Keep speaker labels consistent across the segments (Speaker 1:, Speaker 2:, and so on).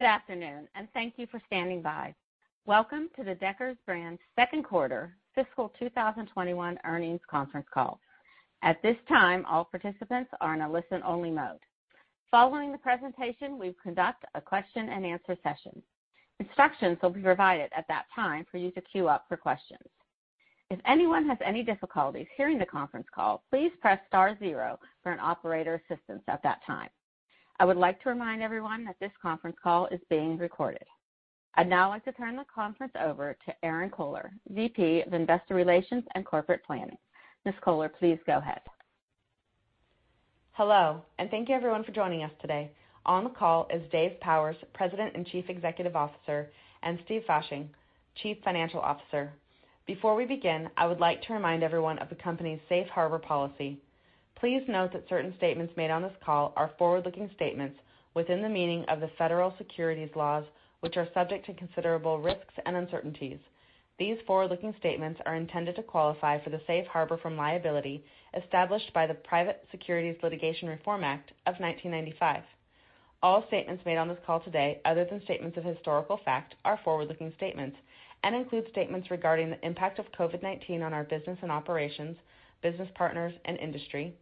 Speaker 1: Good afternoon, and thank you for standing by. Welcome to the Deckers Brand second quarter fiscal 2021 earnings conference call. At this time, all participants are in a listen-only mode. Following the presentation, we'll conduct a question-and-answer session. Instructions will be provided at that time for you to queue up for questions. If anyone has any difficulties hearing the conference call, please press star zero for an operator's assistance at that time. I would like to remind everyone that this conference call is being recorded. I'd now like to turn the conference over to Erinn Kohler, VP of Investor Relations and Corporate Planning. Ms. Kohler, please go ahead.
Speaker 2: Hello, and thank you everyone for joining us today. On the call is Dave Powers, President and Chief Executive Officer, and Steve Fasching, Chief Financial Officer. Before we begin, I would like to remind everyone of the company's safe harbor policy. Please note that certain statements made on this call are forward-looking statements within the meaning of the federal securities laws, which are subject to considerable risks and uncertainties. These forward-looking statements are intended to qualify for the safe harbor from liability established by the Private Securities Litigation Reform Act of 1995. All statements made on this call today, other than statements of historical fact, are forward-looking statements and include statements regarding the impact of COVID-19 on our business and operations, business partners and industry,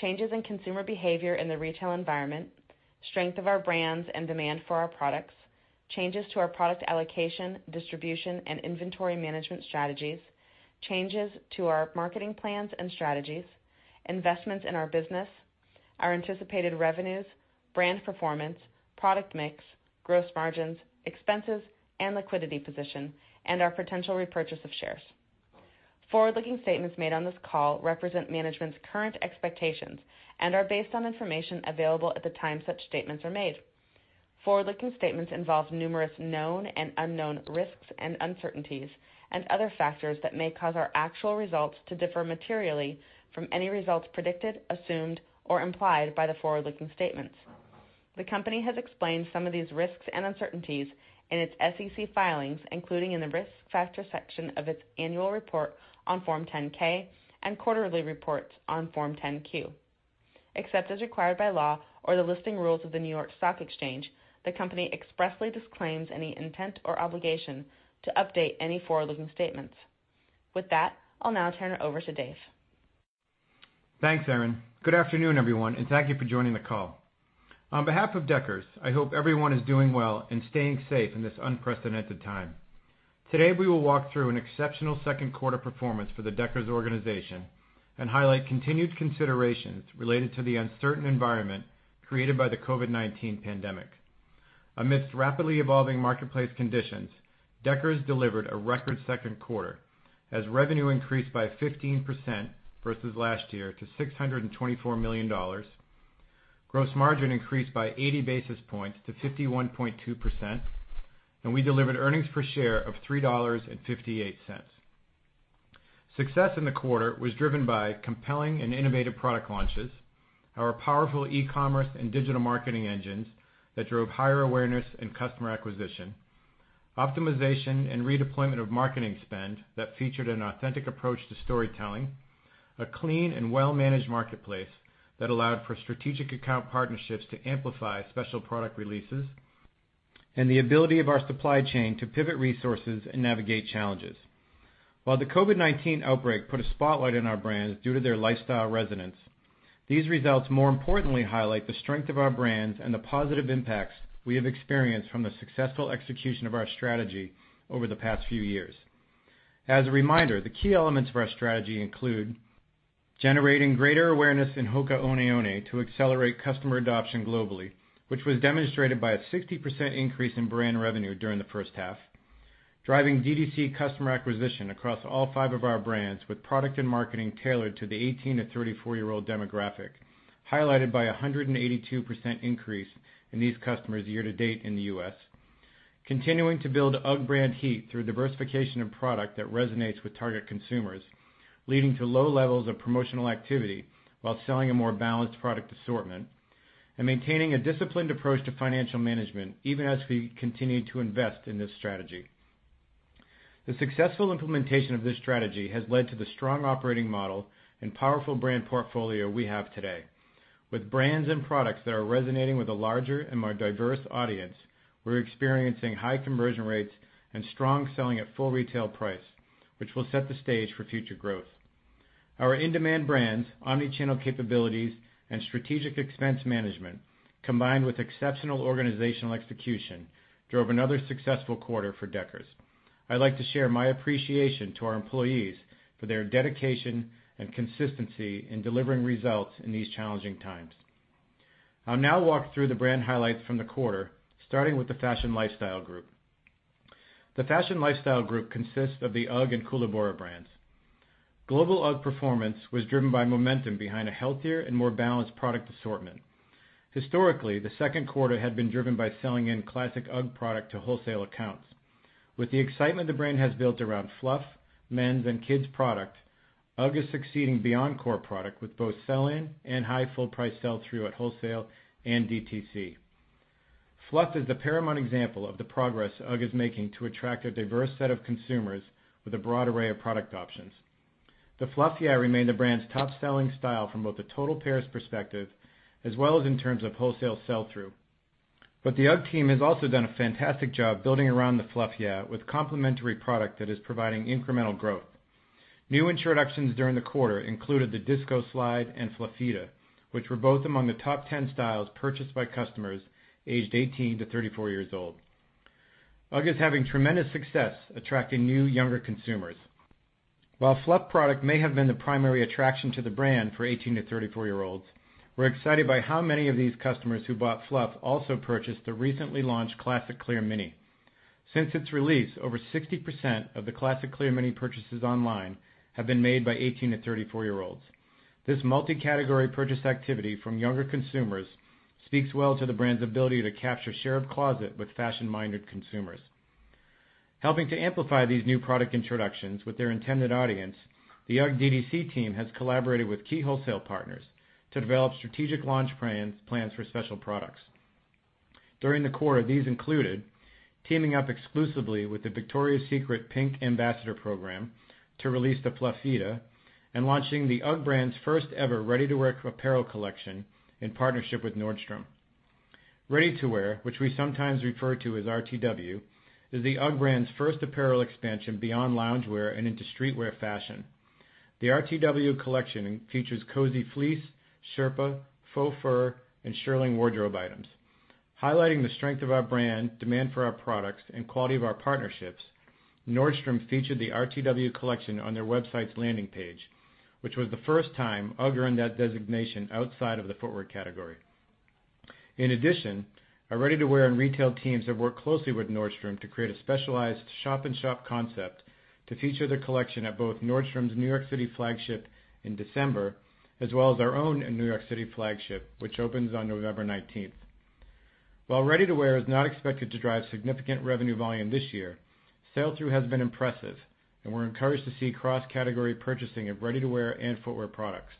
Speaker 2: changes in consumer behavior in the retail environment, strength of our brands and demand for our products, changes to our product allocation, distribution, and inventory management strategies, changes to our marketing plans and strategies, investments in our business, our anticipated revenues, brand performance, product mix, gross margins, expenses, and liquidity position, and our potential repurchase of shares. Forward-looking statements made on this call represent management's current expectations and are based on information available at the time such statements are made. Forward-looking statements involve numerous known and unknown risks and uncertainties and other factors that may cause our actual results to differ materially from any results predicted, assumed, or implied by the forward-looking statements. The company has explained some of these risks and uncertainties in its SEC filings, including in the risk factor section of its annual report on Form 10-K and quarterly reports on Form 10-Q. Except as required by law or the listing rules of the New York Stock Exchange, the company expressly disclaims any intent or obligation to update any forward-looking statements. With that, I'll now turn it over to Dave.
Speaker 3: Thanks, Erinn. Good afternoon, everyone, and thank you for joining the call. On behalf of Deckers, I hope everyone is doing well and staying safe in this unprecedented time. Today, we will walk through an exceptional second quarter performance for the Deckers organization and highlight continued considerations related to the uncertain environment created by the COVID-19 pandemic. Amidst rapidly evolving marketplace conditions, Deckers delivered a record second quarter as revenue increased by 15% versus last year to $624 million. Gross margin increased by 80 basis points to 51.2%, and we delivered earnings per share of $3.58. Success in the quarter was driven by compelling and innovative product launches, our powerful e-commerce and digital marketing engines that drove higher awareness and customer acquisition, optimization and redeployment of marketing spend that featured an authentic approach to storytelling, a clean and well-managed marketplace that allowed for strategic account partnerships to amplify special product releases, and the ability of our supply chain to pivot resources and navigate challenges. While the COVID-19 outbreak put a spotlight on our brands due to their lifestyle resonance, these results more importantly highlight the strength of our brands and the positive impacts we have experienced from the successful execution of our strategy over the past few years. As a reminder, the key elements of our strategy include generating greater awareness in HOKA ONE ONE to accelerate customer adoption globally, which was demonstrated by a 60% increase in brand revenue during the first half. Driving DTC customer acquisition across all five of our brands with product and marketing tailored to the 18-34-year-old demographic, highlighted by 182% increase in these customers year-to-date in the U.S. Continuing to build UGG brand heat through diversification of product that resonates with target consumers, leading to low levels of promotional activity while selling a more balanced product assortment, and maintaining a disciplined approach to financial management, even as we continue to invest in this strategy. The successful implementation of this strategy has led to the strong operating model and powerful brand portfolio we have today. With brands and products that are resonating with a larger and more diverse audience, we're experiencing high conversion rates and strong selling at full retail price, which will set the stage for future growth. Our in-demand brands, omni-channel capabilities, and strategic expense management, combined with exceptional organizational execution, drove another successful quarter for Deckers. I'd like to share my appreciation to our employees for their dedication and consistency in delivering results in these challenging times. I'll now walk through the brand highlights from the quarter, starting with the Fashion Lifestyle Group. The Fashion Lifestyle Group consists of the UGG and Koolaburra brands. Global UGG performance was driven by momentum behind a healthier and more balanced product assortment. Historically, the second quarter had been driven by selling in classic UGG product to wholesale accounts. With the excitement the brand has built around Fluff, men's, and kids' product, UGG is succeeding beyond core product with both sell-in and high full price sell-through at wholesale and DTC. Fluff is the paramount example of the progress UGG is making to attract a diverse set of consumers with a broad array of product options. The Fluff Yeah remained the brand's top-selling style from both a total pairs perspective as well as in terms of wholesale sell-through. The UGG team has also done a fantastic job building around the Fluff Yeah with complementary product that is providing incremental growth. New introductions during the quarter included the Disco Slide and Fluffita, which were both among the top 10 styles purchased by customers aged 18-34 years old. UGG is having tremendous success attracting new, younger consumers. While Fluff product may have been the primary attraction to the brand for 18-34-year-olds, we're excited by how many of these customers who bought Fluff also purchased the recently launched Classic Clear Mini. Since its release, over 60% of the Classic Clear Mini purchases online have been made by 18-34-year-olds. This multi-category purchase activity from younger consumers speaks well to the brand's ability to capture share of closet with fashion-minded consumers. Helping to amplify these new product introductions with their intended audience, the UGG DTC team has collaborated with key wholesale partners to develop strategic launch plans for special products. During the quarter, these included teaming up exclusively with the Victoria's Secret PINK Ambassador program to release the Fluffita and launching the UGG brand's first-ever ready-to-wear apparel collection in partnership with Nordstrom. Ready-to-wear, which we sometimes refer to as RTW, is the UGG brand's first apparel expansion beyond loungewear and into streetwear fashion. The RTW collection features cozy fleece, sherpa, faux fur, and shearling wardrobe items. Highlighting the strength of our brand, demand for our products, and quality of our partnerships, Nordstrom featured the RTW collection on their website's landing page, which was the first time UGG earned that designation outside of the footwear category. In addition, our ready-to-wear and retail teams have worked closely with Nordstrom to create a specialized shop-in-shop concept to feature the collection at both Nordstrom's New York City flagship in December, as well as our own in New York City flagship, which opens on November 19th. While ready-to-wear is not expected to drive significant revenue volume this year, sell-through has been impressive, and we're encouraged to see cross-category purchasing of ready-to-wear and footwear products.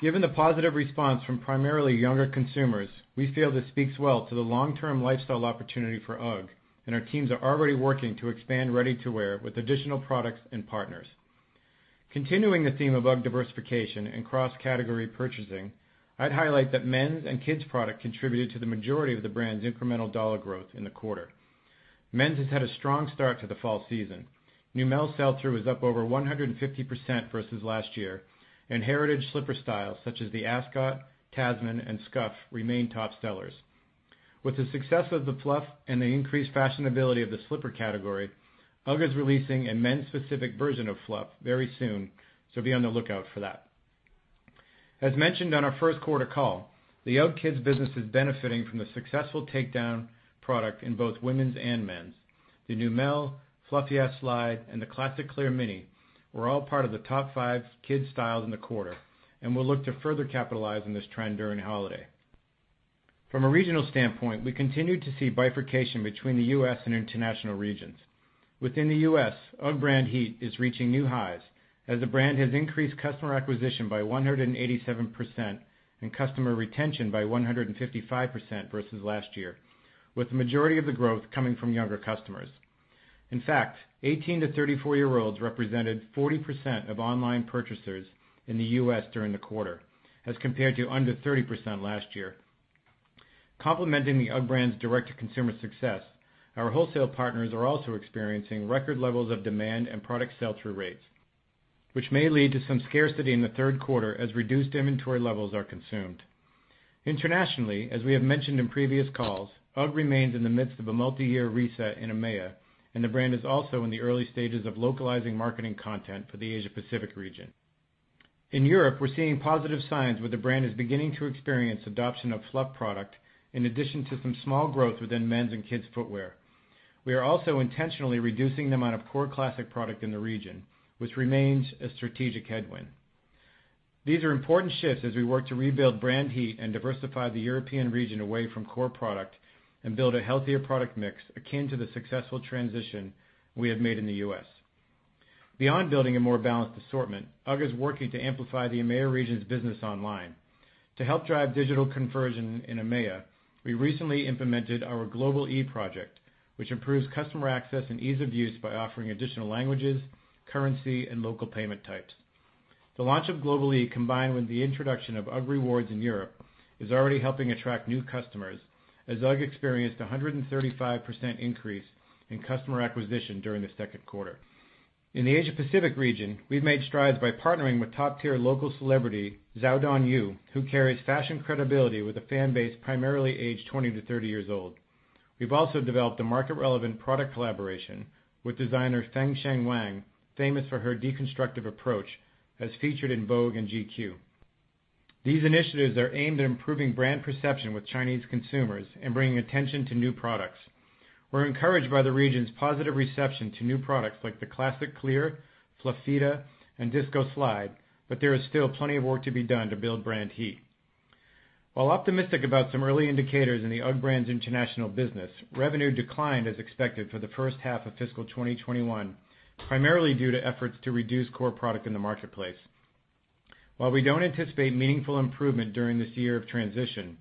Speaker 3: Given the positive response from primarily younger consumers, we feel this speaks well to the long-term lifestyle opportunity for UGG, and our teams are already working to expand ready to wear with additional products and partners. Continuing the theme of UGG diversification and cross-category purchasing, I'd highlight that men's and kids' product contributed to the majority of the brand's incremental dollar growth in the quarter. Men's has had a strong start to the fall season. Neumel's sell-through is up over 150% versus last year, and heritage slipper styles such as the Ascot, Tasman, and Scuff remain top sellers. With the success of the Fluff and the increased fashionability of the slipper category, UGG is releasing a men's specific version of Fluff very soon, so be on the lookout for that. As mentioned on our first quarter call, the UGG Kids business is benefiting from the successful takedown product in both women's and men's. The Neumel, Fluff Yeah Slide, and the Classic Clear Mini were all part of the top five Kids styles in the quarter, and we'll look to further capitalize on this trend during holiday. From a regional standpoint, we continue to see bifurcation between the U.S. and international regions. Within the U.S., UGG brand heat is reaching new highs as the brand has increased customer acquisition by 187% and customer retention by 155% versus last year, with the majority of the growth coming from younger customers. In fact, 18-34-year-olds represented 40% of online purchasers in the U.S. during the quarter, as compared to under 30% last year. Complementing the UGG brand's direct-to-consumer success, our wholesale partners are also experiencing record levels of demand and product sell-through rates, which may lead to some scarcity in the third quarter as reduced inventory levels are consumed. Internationally, as we have mentioned in previous calls, UGG remains in the midst of a multi-year reset in EMEA, and the brand is also in the early stages of localizing marketing content for the Asia-Pacific region. In Europe, we're seeing positive signs where the brand is beginning to experience adoption of Fluff product, in addition to some small growth within men's and kids footwear. We are also intentionally reducing the amount of core classic product in the region, which remains a strategic headwind. These are important shifts as we work to rebuild brand heat and diversify the European region away from core product and build a healthier product mix akin to the successful transition we have made in the U.S. Beyond building a more balanced assortment, UGG is working to amplify the EMEA region's business online. To help drive digital conversion in EMEA, we recently implemented our Global-e project, which improves customer access and ease of use by offering additional languages, currency, and local payment types. The launch of Global-e combined with the introduction of UGG Rewards in Europe is already helping attract new customers as UGG experienced 135% increase in customer acquisition during the second quarter. In the Asia-Pacific region, we've made strides by partnering with top-tier local celebrity Zhou Dongyu, who carries fashion credibility with a fan base primarily aged 20-30 years old. We've also developed a market-relevant product collaboration with designer Feng Chen Wang, famous for her deconstructive approach, as featured in Vogue and GQ. These initiatives are aimed at improving brand perception with Chinese consumers and bringing attention to new products. We're encouraged by the region's positive reception to new products like the Classic Clear, Fluffita, and Disco Slide, but there is still plenty of work to be done to build brand heat. While optimistic about some early indicators in the UGG brand's international business, revenue declined as expected for the first half of fiscal 2021, primarily due to efforts to reduce core product in the marketplace. We don't anticipate meaningful improvement during this year of transition,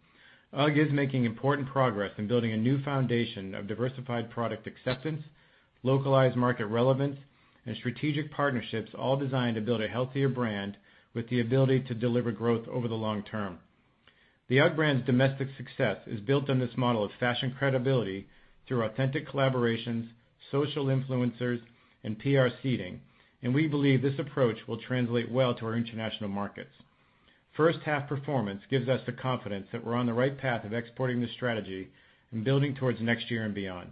Speaker 3: UGG is making important progress in building a new foundation of diversified product acceptance, localized market relevance, and strategic partnerships all designed to build a healthier brand with the ability to deliver growth over the long term. The UGG brand's domestic success is built on this model of fashion credibility through authentic collaborations, social influencers, and PR seeding. We believe this approach will translate well to our international markets. First half performance gives us the confidence that we're on the right path of exporting this strategy and building towards next year and beyond.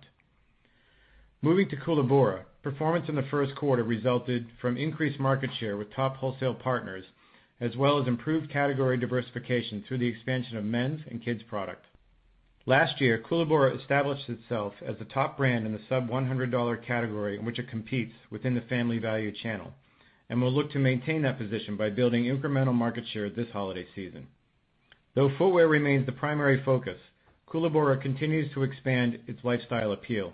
Speaker 3: Moving to Koolaburra, performance in the first quarter resulted from increased market share with top wholesale partners as well as improved category diversification through the expansion of men's and kids' product. Last year, Koolaburra established itself as the top brand in the sub-$100 category in which it competes within the family value channel, and will look to maintain that position by building incremental market share this holiday season. Though footwear remains the primary focus, Koolaburra continues to expand its lifestyle appeal.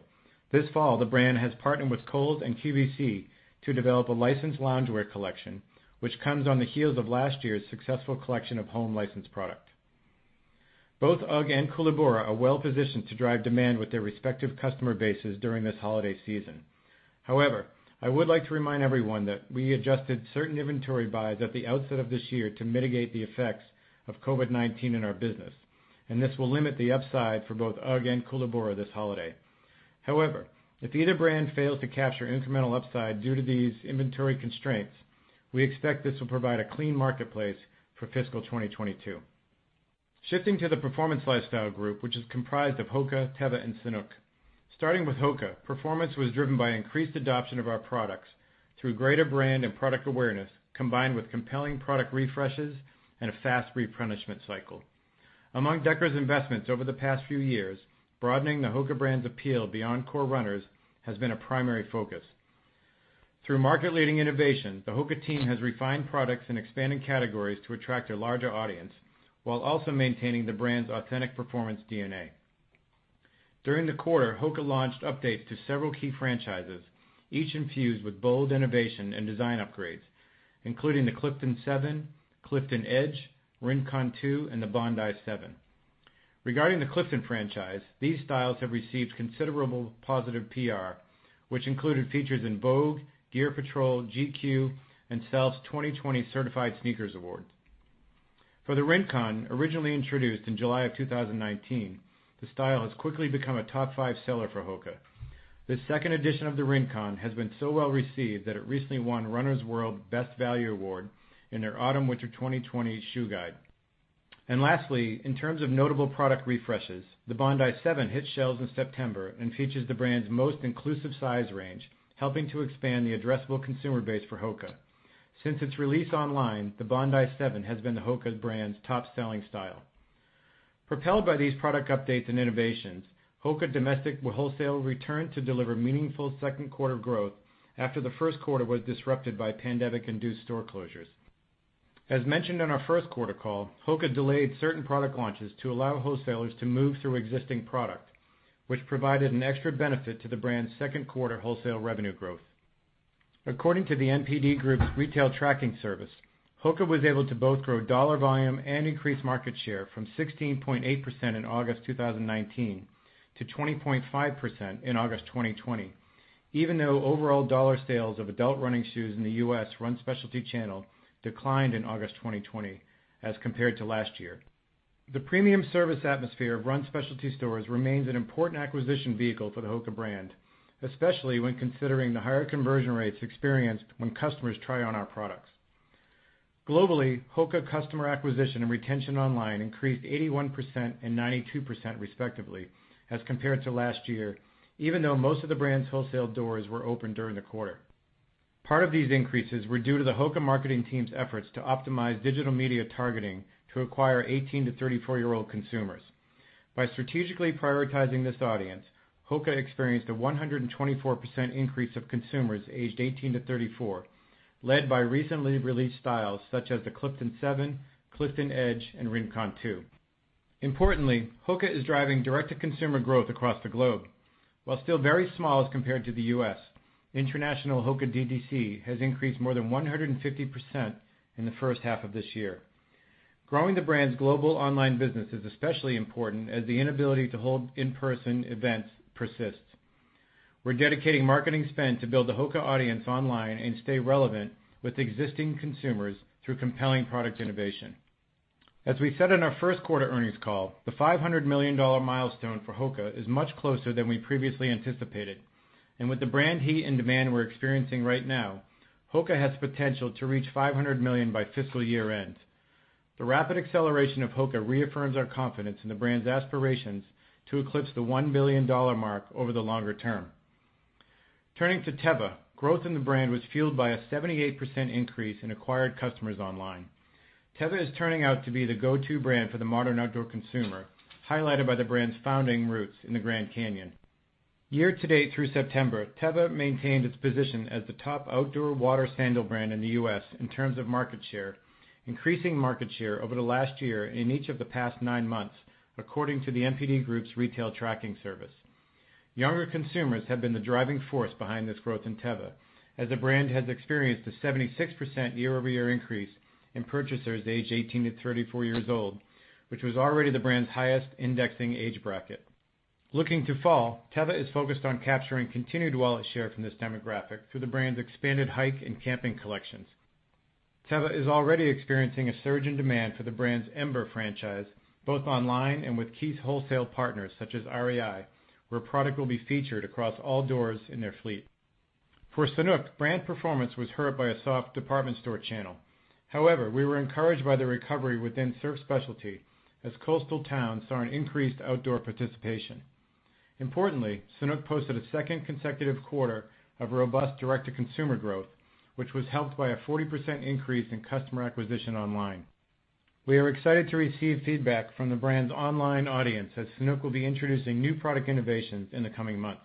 Speaker 3: This fall, the brand has partnered with Kohl's and QVC to develop a licensed loungewear collection, which comes on the heels of last year's successful collection of home licensed product. Both UGG and Koolaburra are well-positioned to drive demand with their respective customer bases during this holiday season. However, I would like to remind everyone that we adjusted certain inventory buys at the outset of this year to mitigate the effects of COVID-19 in our business, and this will limit the upside for both UGG and Koolaburra this holiday. However, if either brand fails to capture incremental upside due to these inventory constraints, we expect this will provide a clean marketplace for fiscal 2022. Shifting to the Performance Lifestyle Group, which is comprised of HOKA, Teva, and Sanuk. Starting with HOKA, performance was driven by increased adoption of our products through greater brand and product awareness, combined with compelling product refreshes and a fast replenishment cycle. Among Deckers' investments over the past few years, broadening the HOKA brand's appeal beyond core runners has been a primary focus. Through market-leading innovation, the HOKA team has refined products and expanded categories to attract a larger audience while also maintaining the brand's authentic performance DNA. During the quarter, HOKA launched updates to several key franchises, each infused with bold innovation and design upgrades, including the Clifton 7, Clifton Edge, Rincon 2, and the Bondi 7. Regarding the Clifton franchise, these styles have received considerable positive PR, which included features in Vogue, Gear Patrol, GQ, and SELF's 2020 Certified Sneakers Awards. For the Rincon, originally introduced in July of 2019, the style has quickly become a top five seller for HOKA. This second edition of the Rincon has been so well-received that it recently won Runner's World Best Value Award in their Autumn-Winter 2020 Shoe Guide. Lastly, in terms of notable product refreshes, the Bondi 7 hit shelves in September and features the brand's most inclusive size range, helping to expand the addressable consumer base for HOKA. Since its release online, the Bondi 7 has been the HOKA brand's top-selling style. Propelled by these product updates and innovations, HOKA Domestic Wholesale returned to deliver meaningful second quarter growth after the first quarter was disrupted by pandemic-induced store closures. As mentioned on our first quarter call, HOKA delayed certain product launches to allow wholesalers to move through existing product, which provided an extra benefit to the brand's second quarter wholesale revenue growth. According to The NPD Group's retail tracking service, HOKA was able to both grow dollar volume and increase market share from 16.8% in August 2019 to 20.5% in August 2020, even though overall dollar sales of adult running shoes in the U.S. run specialty channel declined in August 2020 as compared to last year. The premium service atmosphere of run specialty stores remains an important acquisition vehicle for the HOKA brand, especially when considering the higher conversion rates experienced when customers try on our products. Globally, HOKA customer acquisition and retention online increased 81% and 92% respectively as compared to last year, even though most of the brand's wholesale doors were open during the quarter. Part of these increases were due to the HOKA marketing team's efforts to optimize digital media targeting to acquire 18 to 34-year-old consumers. By strategically prioritizing this audience, HOKA experienced a 124% increase of consumers aged 18 to 34, led by recently released styles such as the Clifton 7, Clifton Edge, and Rincon 2. Importantly, HOKA is driving direct-to-consumer growth across the globe. While still very small as compared to the U.S., international HOKA DTC has increased more than 150% in the first half of this year. Growing the brand's global online business is especially important as the inability to hold in-person events persists. We're dedicating marketing spend to build the HOKA audience online and stay relevant with existing consumers through compelling product innovation. As we said on our first quarter earnings call, the $500 million milestone for HOKA is much closer than we previously anticipated, and with the brand heat and demand we're experiencing right now, HOKA has the potential to reach $500 million by fiscal year-end. The rapid acceleration of HOKA reaffirms our confidence in the brand's aspirations to eclipse the $1 billion mark over the longer term. Turning to Teva, growth in the brand was fueled by a 78% increase in acquired customers online. Teva is turning out to be the go-to brand for the modern outdoor consumer, highlighted by the brand's founding roots in the Grand Canyon. Year-to-date through September, Teva maintained its position as the top outdoor water sandal brand in the U.S. in terms of market share, increasing market share over the last year in each of the past nine months, according to The NPD Group's retail tracking service. Younger consumers have been the driving force behind this growth in Teva, as the brand has experienced a 76% year-over-year increase in purchasers age 18 to 34 years old, which was already the brand's highest indexing age bracket. Looking to fall, Teva is focused on capturing continued wallet share from this demographic through the brand's expanded hike and camping collections. Teva is already experiencing a surge in demand for the brand's Ember franchise, both online and with key wholesale partners such as REI, where product will be featured across all doors in their fleet. For Sanuk, brand performance was hurt by a soft department store channel. However, we were encouraged by the recovery within surf specialty as coastal towns saw an increased outdoor participation. Importantly, Sanuk posted a second consecutive quarter of robust direct-to-consumer growth, which was helped by a 40% increase in customer acquisition online. We are excited to receive feedback from the brand's online audience, as Sanuk will be introducing new product innovations in the coming months.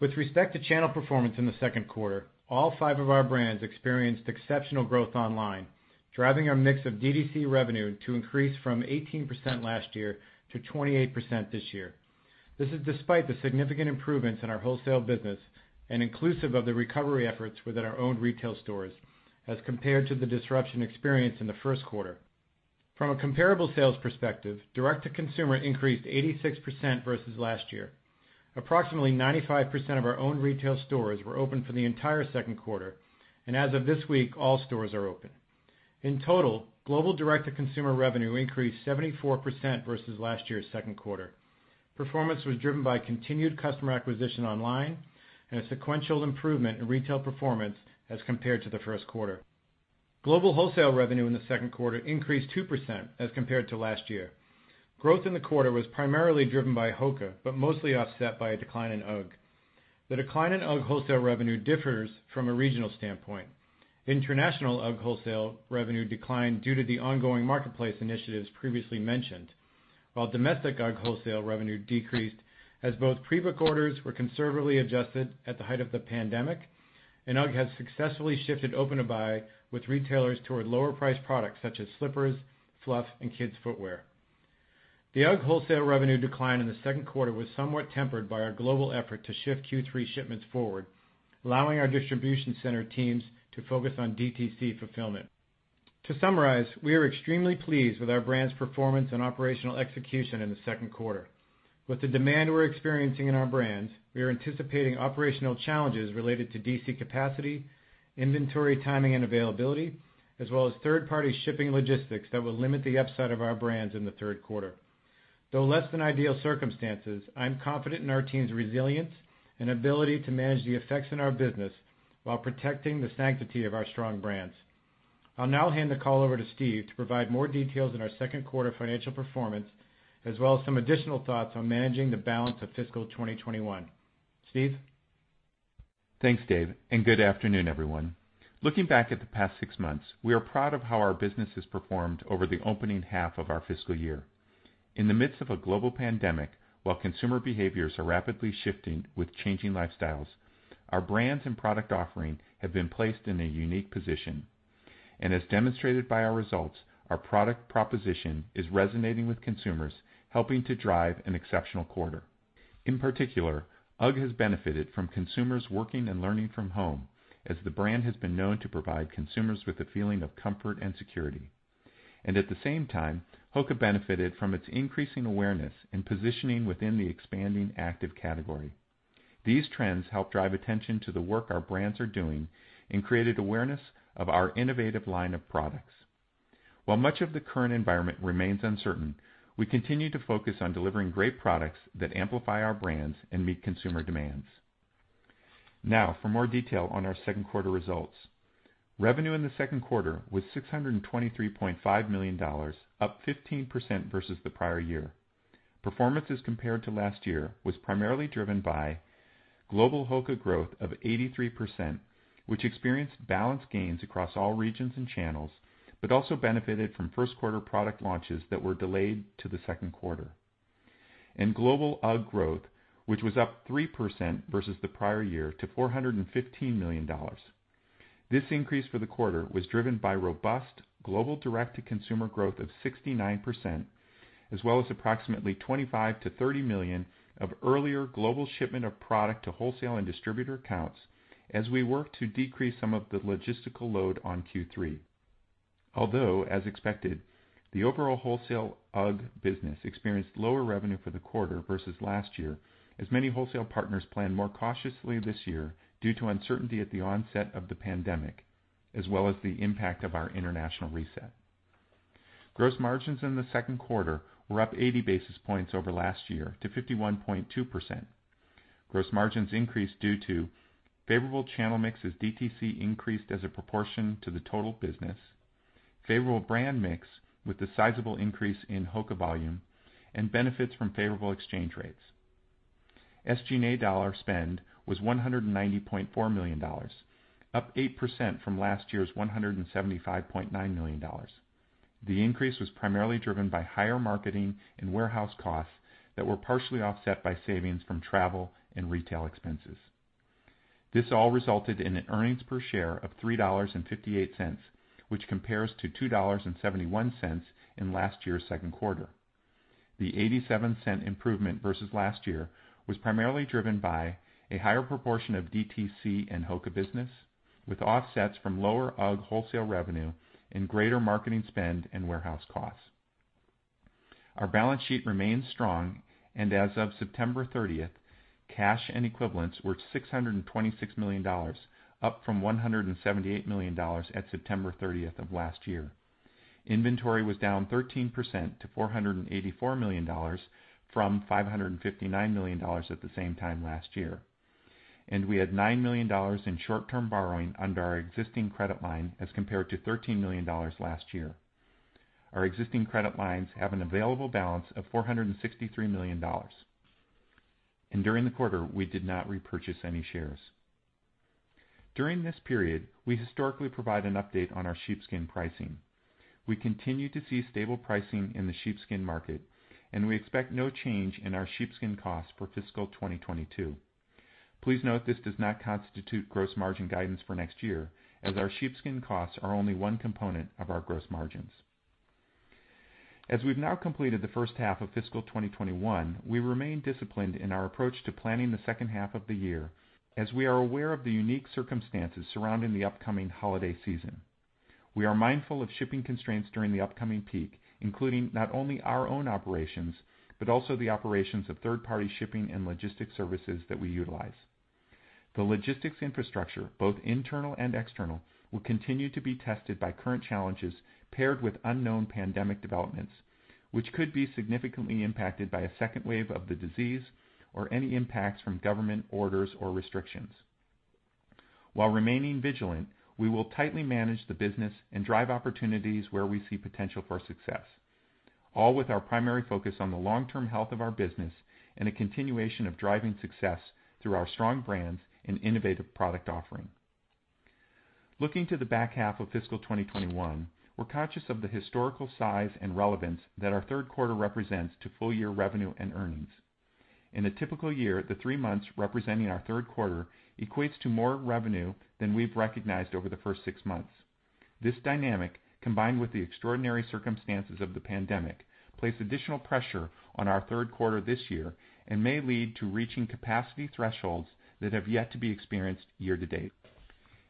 Speaker 3: With respect to channel performance in the second quarter, all five of our brands experienced exceptional growth online, driving our mix of DTC revenue to increase from 18% last year to 28% this year. This is despite the significant improvements in our wholesale business and inclusive of the recovery efforts within our own retail stores as compared to the disruption experienced in the first quarter. From a comparable sales perspective, direct-to-consumer increased 86% versus last year. Approximately 95% of our own retail stores were open for the entire second quarter, and as of this week, all stores are open. In total, global direct-to-consumer revenue increased 74% versus last year's second quarter. Performance was driven by continued customer acquisition online and a sequential improvement in retail performance as compared to the first quarter. Global wholesale revenue in the second quarter increased 2% as compared to last year. Growth in the quarter was primarily driven by HOKA, but mostly offset by a decline in UGG. The decline in UGG wholesale revenue differs from a regional standpoint. International UGG wholesale revenue declined due to the ongoing marketplace initiatives previously mentioned, while domestic UGG wholesale revenue decreased as both pre-book orders were conservatively adjusted at the height of the pandemic, and UGG has successfully shifted open-to-buy with retailers toward lower priced products such as slippers, fluff, and kids footwear. The UGG wholesale revenue decline in the second quarter was somewhat tempered by our global effort to shift Q3 shipments forward, allowing our distribution center teams to focus on DTC fulfillment. To summarize, we are extremely pleased with our brand's performance and operational execution in the second quarter. With the demand we're experiencing in our brands, we are anticipating operational challenges related to DC capacity, inventory timing and availability, as well as third-party shipping logistics that will limit the upside of our brands in the third quarter. Though less than ideal circumstances, I'm confident in our team's resilience and ability to manage the effects in our business while protecting the sanctity of our strong brands. I'll now hand the call over to Steve to provide more details on our second quarter financial performance, as well as some additional thoughts on managing the balance of fiscal 2021. Steve?
Speaker 4: Thanks, Dave, good afternoon, everyone. Looking back at the past six months, we are proud of how our business has performed over the opening half of our fiscal year. In the midst of a global pandemic, while consumer behaviors are rapidly shifting with changing lifestyles, our brands and product offering have been placed in a unique position. As demonstrated by our results, our product proposition is resonating with consumers, helping to drive an exceptional quarter. In particular, UGG has benefited from consumers working and learning from home as the brand has been known to provide consumers with a feeling of comfort and security. At the same time, HOKA benefited from its increasing awareness and positioning within the expanding active category. These trends help drive attention to the work our brands are doing and created awareness of our innovative line of products. While much of the current environment remains uncertain, we continue to focus on delivering great products that amplify our brands and meet consumer demands. Now for more detail on our second quarter results. Revenue in the second quarter was $623.5 million, up 15% versus the prior year. Performance as compared to last year was primarily driven by global HOKA growth of 83%, which experienced balanced gains across all regions and channels, but also benefited from first quarter product launches that were delayed to the second quarter, and global UGG growth, which was up 3% versus the prior year to $415 million. This increase for the quarter was driven by robust global DTC growth of 69%, as well as approximately $25 million-$30 million of earlier global shipment of product to wholesale and distributor accounts as we work to decrease some of the logistical load on Q3. Although, as expected, the overall wholesale UGG business experienced lower revenue for the quarter versus last year as many wholesale partners planned more cautiously this year due to uncertainty at the onset of the pandemic, as well as the impact of our international reset. Gross margins in the second quarter were up 80 basis points over last year to 51.2%. Gross margins increased due to favorable channel mix as DTC increased as a proportion to the total business, favorable brand mix with the sizable increase in HOKA volume, and benefits from favorable exchange rates. SG&A dollar spend was $190.4 million, up 8% from last year's $175.9 million. The increase was primarily driven by higher marketing and warehouse costs that were partially offset by savings from travel and retail expenses. This all resulted in an earnings per share of $3.58, which compares to $2.71 in last year's second quarter. The $0.87 improvement versus last year was primarily driven by a higher proportion of DTC and HOKA business, with offsets from lower UGG wholesale revenue and greater marketing spend and warehouse costs. Our balance sheet remains strong, and as of September 30th, cash and equivalents were $626 million, up from $178 million at September 30th of last year. Inventory was down 13% to $484 million from $559 million at the same time last year. We had $9 million in short-term borrowing under our existing credit line as compared to $13 million last year. Our existing credit lines have an available balance of $463 million. During the quarter, we did not repurchase any shares. During this period, we historically provide an update on our sheepskin pricing. We continue to see stable pricing in the sheepskin market, and we expect no change in our sheepskin costs for fiscal 2022. Please note this does not constitute gross margin guidance for next year, as our sheepskin costs are only one component of our gross margins. As we've now completed the first half of fiscal 2021, we remain disciplined in our approach to planning the second half of the year, as we are aware of the unique circumstances surrounding the upcoming holiday season. We are mindful of shipping constraints during the upcoming peak, including not only our own operations, but also the operations of third-party shipping and logistics services that we utilize. The logistics infrastructure, both internal and external, will continue to be tested by current challenges paired with unknown pandemic developments which could be significantly impacted by a second wave of the disease or any impacts from government orders or restrictions. While remaining vigilant, we will tightly manage the business and drive opportunities where we see potential for success, all with our primary focus on the long-term health of our business and a continuation of driving success through our strong brands and innovative product offering. Looking to the back half of fiscal 2021, we're conscious of the historical size and relevance that our third quarter represents to full-year revenue and earnings. In a typical year, the three months representing our third quarter equates to more revenue than we've recognized over the first six months. This dynamic, combined with the extraordinary circumstances of the pandemic, place additional pressure on our third quarter this year and may lead to reaching capacity thresholds that have yet to be experienced year-to-date.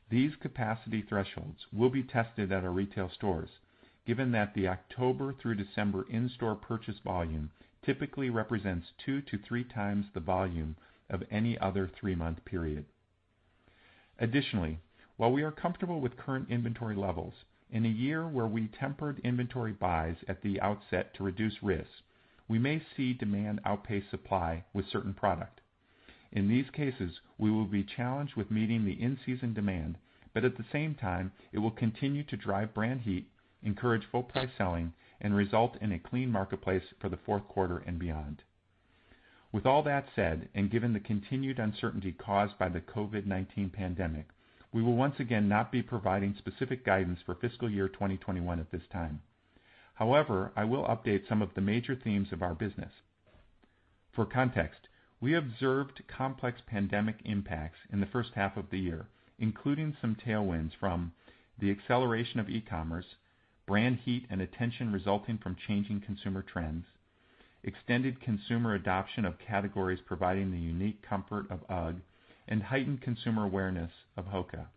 Speaker 4: These capacity thresholds will be tested at our retail stores, given that the October through December in-store purchase volume typically represents two to three times the volume of any other three-month period. Additionally, while we are comfortable with current inventory levels, in a year where we tempered inventory buys at the outset to reduce risk, we may see demand outpace supply with certain product. In these cases, we will be challenged with meeting the in-season demand, but at the same time, it will continue to drive brand heat, encourage full price selling, and result in a clean marketplace for the fourth quarter and beyond. With all that said, and given the continued uncertainty caused by the COVID-19 pandemic, we will once again not be providing specific guidance for fiscal year 2021 at this time. However, I will update some of the major themes of our business. For context, we observed complex pandemic impacts in the first half of the year, including some tailwinds from the acceleration of e-commerce, brand heat and attention resulting from changing consumer trends, extended consumer adoption of categories providing the unique comfort of UGG, and heightened consumer awareness of HOKA.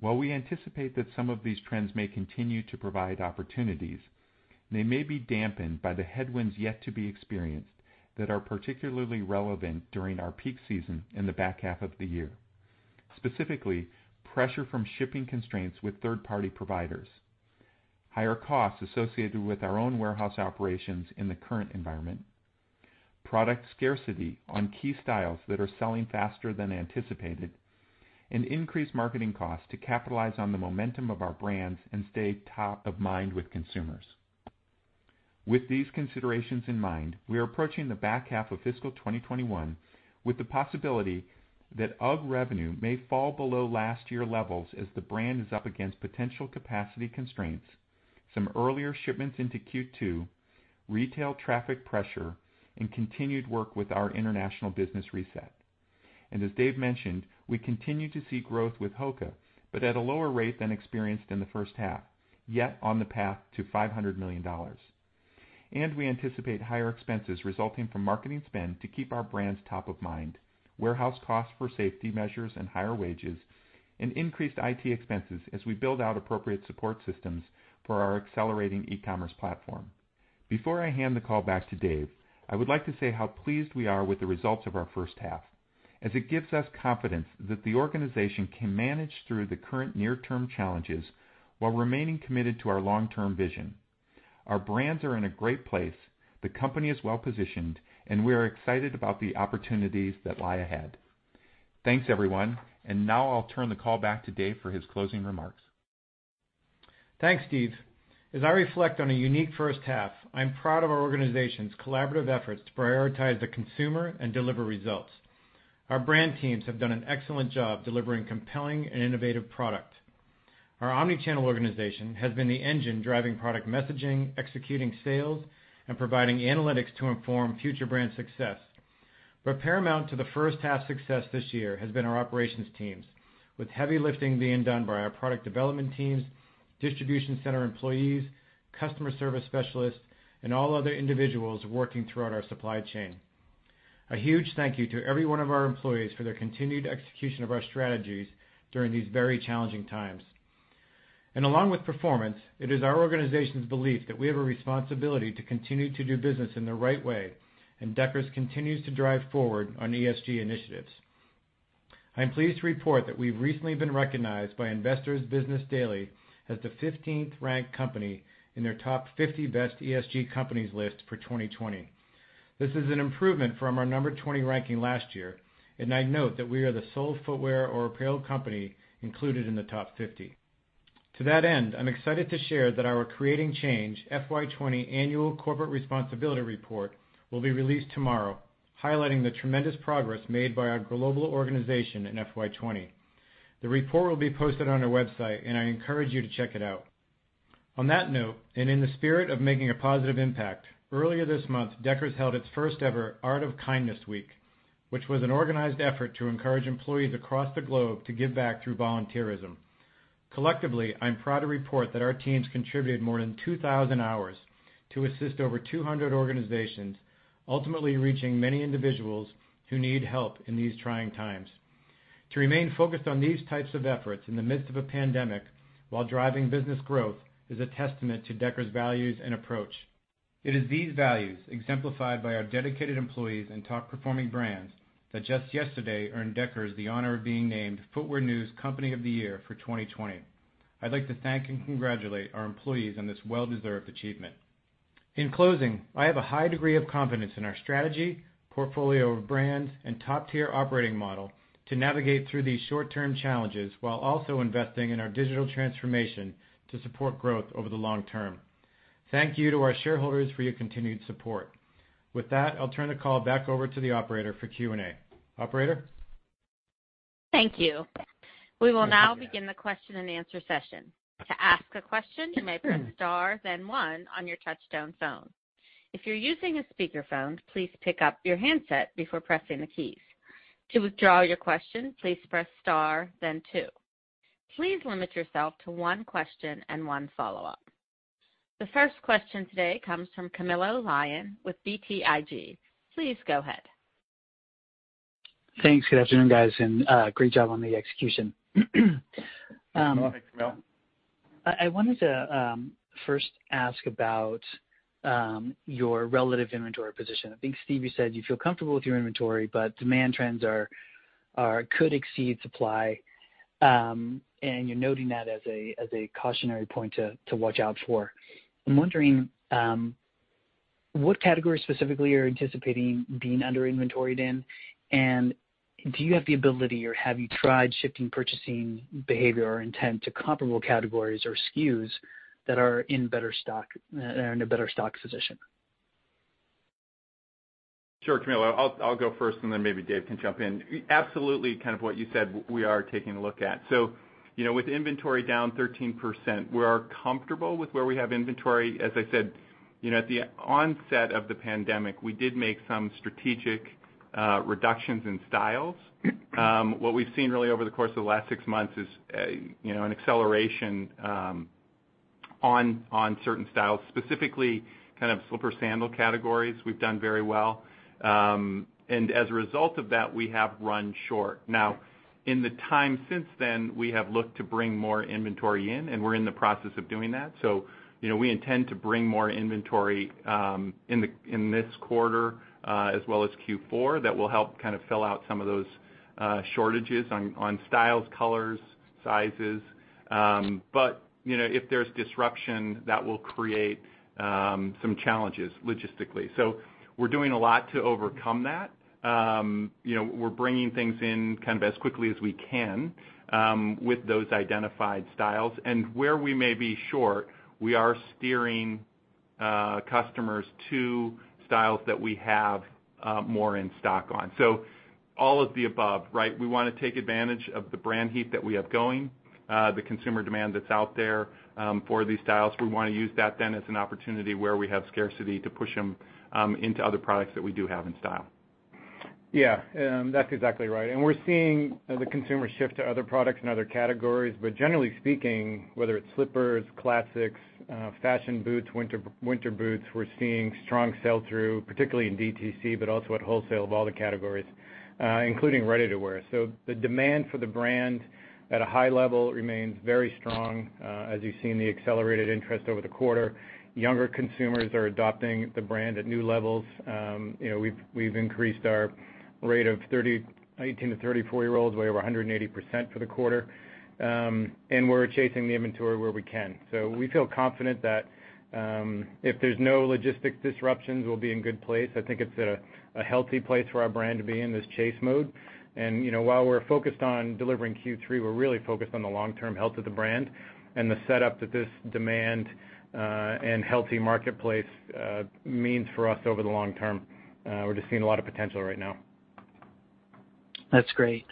Speaker 4: While we anticipate that some of these trends may continue to provide opportunities, they may be dampened by the headwinds yet to be experienced that are particularly relevant during our peak season in the back half of the year. Specifically, pressure from shipping constraints with third-party providers, higher costs associated with our own warehouse operations in the current environment, product scarcity on key styles that are selling faster than anticipated, and increased marketing costs to capitalize on the momentum of our brands and stay top of mind with consumers. With these considerations in mind, we are approaching the back half of fiscal 2021 with the possibility that UGG revenue may fall below last year levels as the brand is up against potential capacity constraints, some earlier shipments into Q2, retail traffic pressure, and continued work with our international business reset. As Dave mentioned, we continue to see growth with HOKA, but at a lower rate than experienced in the first half, yet on the path to $500 million. We anticipate higher expenses resulting from marketing spend to keep our brands top of mind, warehouse costs for safety measures and higher wages, and increased IT expenses as we build out appropriate support systems for our accelerating e-commerce platform. Before I hand the call back to Dave, I would like to say how pleased we are with the results of our first half, as it gives us confidence that the organization can manage through the current near-term challenges while remaining committed to our long-term vision. Our brands are in a great place, the company is well-positioned, and we are excited about the opportunities that lie ahead. Thanks, everyone. Now I'll turn the call back to Dave for his closing remarks.
Speaker 3: Thanks, Steve. As I reflect on a unique first half, I'm proud of our organization's collaborative efforts to prioritize the consumer and deliver results. Our brand teams have done an excellent job delivering compelling and innovative product. Our omni-channel organization has been the engine driving product messaging, executing sales, and providing analytics to inform future brand success. Paramount to the first half success this year has been our operations teams, with heavy lifting being done by our product development teams, distribution center employees, customer service specialists, and all other individuals working throughout our supply chain. A huge thank you to every one of our employees for their continued execution of our strategies during these very challenging times. Along with performance, it is our organization's belief that we have a responsibility to continue to do business in the right way, and Deckers continues to drive forward on ESG initiatives. I'm pleased to report that we've recently been recognized by Investor's Business Daily as the 15th ranked company in their top 50 best ESG companies list for 2020. This is an improvement from our number 20 ranking last year. I'd note that we are the sole footwear or apparel company included in the top 50. To that end, I'm excited to share that our Creating Change FY 2020 annual corporate responsibility report will be released tomorrow, highlighting the tremendous progress made by our global organization in FY 2020. The report will be posted on our website. I encourage you to check it out. On that note, in the spirit of making a positive impact, earlier this month, Deckers held its first ever Art of Kindness week, which was an organized effort to encourage employees across the globe to give back through volunteerism. Collectively, I'm proud to report that our teams contributed more than 2,000 hours to assist over 200 organizations, ultimately reaching many individuals who need help in these trying times. To remain focused on these types of efforts in the midst of a pandemic while driving business growth is a testament to Deckers' values and approach. It is these values, exemplified by our dedicated employees and top performing brands, that just yesterday earned Deckers the honor of being named Footwear News Company of the Year for 2020. I'd like to thank and congratulate our employees on this well-deserved achievement. In closing, I have a high degree of confidence in our strategy, portfolio of brands, and top tier operating model to navigate through these short-term challenges while also investing in our digital transformation to support growth over the long term. Thank you to our shareholders for your continued support. With that, I'll turn the call back over to the operator for Q&A. Operator?
Speaker 1: Thank you. We will now begin the question-and-answer session. To ask a question, you may press star one on your touch-tone phone. If you're using a speakerphone, please pick up your handset before pressing the keys. To withdraw your question, please press star two. Please limit yourself to one question and one follow-up. The first question today comes from Camilo Lyon with BTIG. Please go ahead.
Speaker 5: Thanks. Good afternoon, guys, and great job on the execution.
Speaker 3: Thanks, Camilo.
Speaker 5: I wanted to first ask about your relative inventory position. I think, Steve, you said you feel comfortable with your inventory, but demand trends could exceed supply, and you're noting that as a cautionary point to watch out for. I'm wondering what categories specifically you're anticipating being under inventoried in, and do you have the ability, or have you tried shifting purchasing behavior or intent to comparable categories or SKUs that are in a better stock position?
Speaker 4: Sure, Camilo. I'll go first and then maybe Dave can jump in. Absolutely kind of what you said we are taking a look at. With inventory down 13%, we are comfortable with where we have inventory. As I said, at the onset of the pandemic, we did make some strategic reductions in styles. What we've seen really over the course of the last six months is an acceleration on certain styles, specifically kind of slipper sandal categories we've done very well. As a result of that, we have run short. Now, in the time since then, we have looked to bring more inventory in, and we're in the process of doing that. We intend to bring more inventory in this quarter as well as Q4 that will help kind of fill out some of those shortages on styles, colors, sizes. If there's disruption, that will create some challenges logistically. We're doing a lot to overcome that. We're bringing things in kind of as quickly as we can with those identified styles. Where we may be short, we are steering customers to styles that we have more in stock on. All of the above, right? We want to take advantage of the brand heat that we have going, the consumer demand that's out there for these styles. We want to use that then as an opportunity where we have scarcity to push them into other products that we do have in style.
Speaker 3: Yeah, that's exactly right. We're seeing the consumer shift to other products and other categories. Generally speaking, whether it's slippers, classics, fashion boots, winter boots, we're seeing strong sell-through, particularly in DTC, but also at wholesale of all the categories, including ready to wear. The demand for the brand at a high level remains very strong as you've seen the accelerated interest over the quarter. Younger consumers are adopting the brand at new levels. We've increased our rate of 18-34-year-olds way over 180% for the quarter, and we're chasing the inventory where we can. We feel confident that if there's no logistics disruptions, we'll be in good place. I think it's a healthy place for our brand to be in this chase mode. While we're focused on delivering Q3, we're really focused on the long-term health of the brand and the setup that this demand and healthy marketplace means for us over the long term. We're just seeing a lot of potential right now.
Speaker 5: That's great.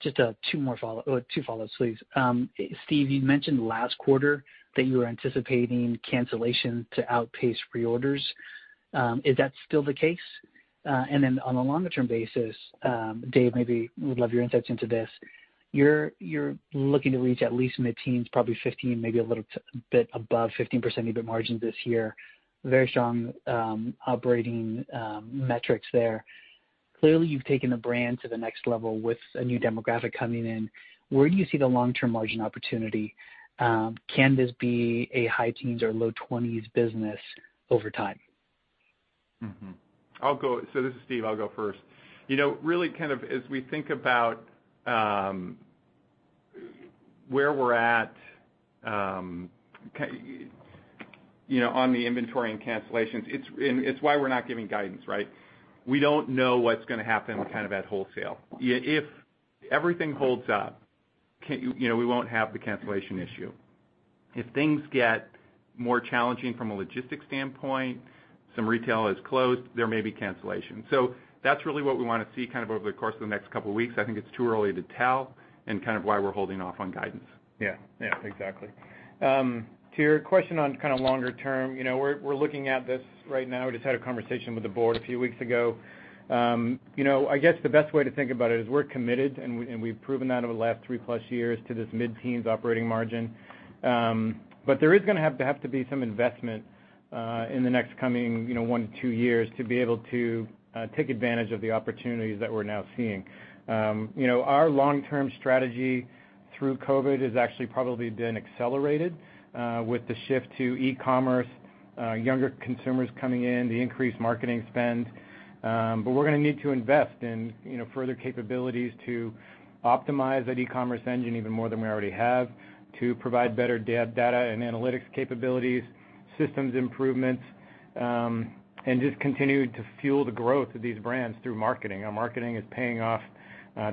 Speaker 5: Just two follow-ups, please. Steve, you mentioned last quarter that you were anticipating cancellation to outpace reorders. Is that still the case? Then on a longer-term basis, Dave, maybe would love your insights into this. You're looking to reach at least mid-teens, probably 15, maybe a little bit above 15% EBIT margin this year. Very strong operating metrics there. Clearly, you've taken the brand to the next level with a new demographic coming in. Where do you see the long-term margin opportunity? Can this be a high teens or low twenties business over time?
Speaker 4: I'll go. This is Steve. I'll go first. As we think about where we're at on the inventory and cancellations, it's why we're not giving guidance. We don't know what's going to happen at wholesale. If everything holds up, we won't have the cancellation issue. If things get more challenging from a logistics standpoint, some retail is closed, there may be cancellations. That's what we want to see over the course of the next couple of weeks. I think it's too early to tell and why we're holding off on guidance.
Speaker 3: Yeah. Exactly. To your question on longer term, we're looking at this right now. Just had a conversation with the board a few weeks ago. I guess the best way to think about it is we're committed, and we've proven that over the last three-plus years, to this mid-teens operating margin. There is going to have to be some investment in the next coming one to two years to be able to take advantage of the opportunities that we're now seeing. Our long-term strategy through COVID has actually probably been accelerated with the shift to e-commerce, younger consumers coming in, the increased marketing spend. We're going to need to invest in further capabilities to optimize that e-commerce engine even more than we already have, to provide better data and analytics capabilities, systems improvements, and just continue to fuel the growth of these brands through marketing. Our marketing is paying off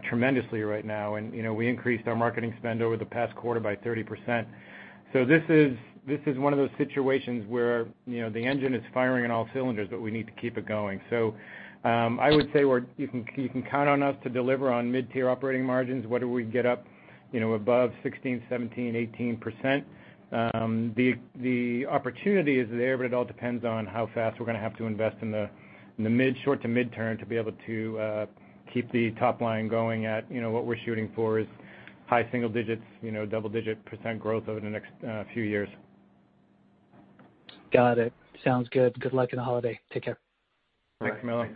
Speaker 3: tremendously right now. We increased our marketing spend over the past quarter by 30%. This is one of those situations where the engine is firing on all cylinders, but we need to keep it going. I would say where you can count on us to deliver on mid-tier operating margins, whether we get up above 16%, 17%, 18%. The opportunity is there, but it all depends on how fast we're going to have to invest in the mid short to mid-term to be able to keep the top line going at what we're shooting for is high single digits, double-digit percent growth over the next few years.
Speaker 5: Got it. Sounds good. Good luck in the holiday. Take care.
Speaker 3: Thanks, Camilo.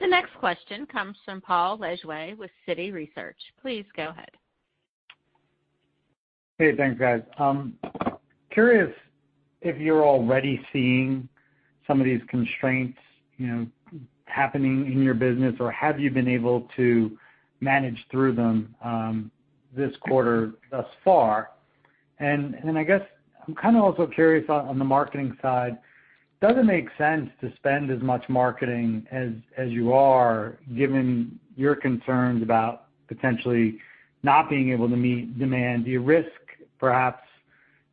Speaker 1: The next question comes from Paul Lejuez with Citi Research. Please go ahead.
Speaker 6: Hey, thanks, guys. Curious if you're already seeing some of these constraints happening in your business, or have you been able to manage through them this quarter thus far? I guess I'm kind of also curious on the marketing side, does it make sense to spend as much marketing as you are, given your concerns about potentially not being able to meet demand? Do you risk perhaps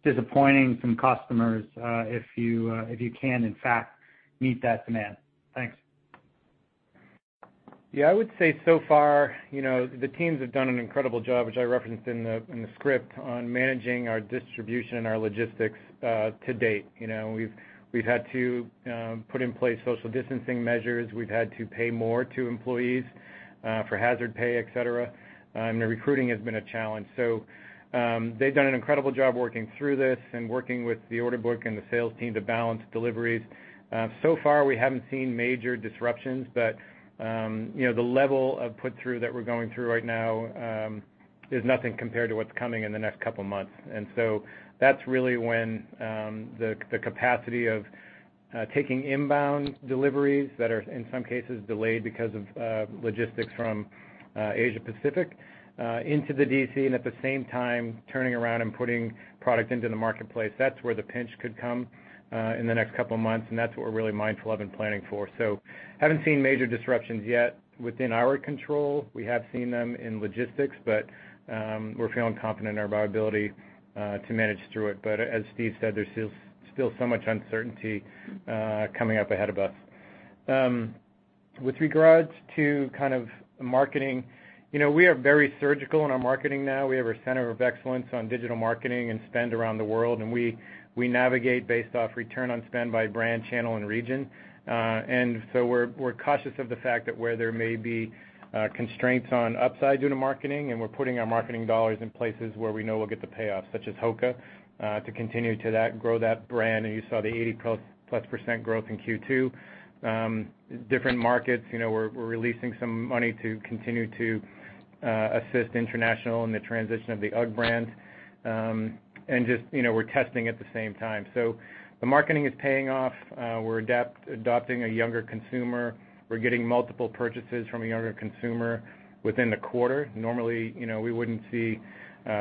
Speaker 6: disappointing some customers if you can in fact, meet that demand? Thanks.
Speaker 3: Yeah, I would say so far the teams have done an incredible job, which I referenced in the script on managing our distribution and our logistics to date. We've had to put in place social distancing measures. We've had to pay more to employees for hazard pay, et cetera. The recruiting has been a challenge. They've done an incredible job working through this and working with the order book and the sales team to balance deliveries. So far, we haven't seen major disruptions, but the level of put-through that we're going through right now is nothing compared to what's coming in the next couple of months. That's really when the capacity of taking inbound deliveries that are in some cases delayed because of logistics from Asia Pacific into the DC and at the same time turning around and putting product into the marketplace. That's where the pinch could come in the next couple of months, and that's what we're really mindful of and planning for. Haven't seen major disruptions yet within our control. We have seen them in logistics, but we're feeling confident in our ability to manage through it. As Steve said, there's still so much uncertainty coming up ahead of us. With regards to kind of marketing, we are very surgical in our marketing now. We have our center of excellence on digital marketing and spend around the world, and we navigate based off return on spend by brand, channel, and region. We're cautious of the fact that where there may be constraints on upside due to marketing, and we're putting our marketing dollars in places where we know we'll get the payoff, such as HOKA to continue to grow that brand. You saw the 80+% growth in Q2. Different markets, we're releasing some money to continue to assist international in the transition of the UGG brand. Just we're testing at the same time. The marketing is paying off. We're adopting a younger consumer. We're getting multiple purchases from a younger consumer within the quarter. Normally, we wouldn't see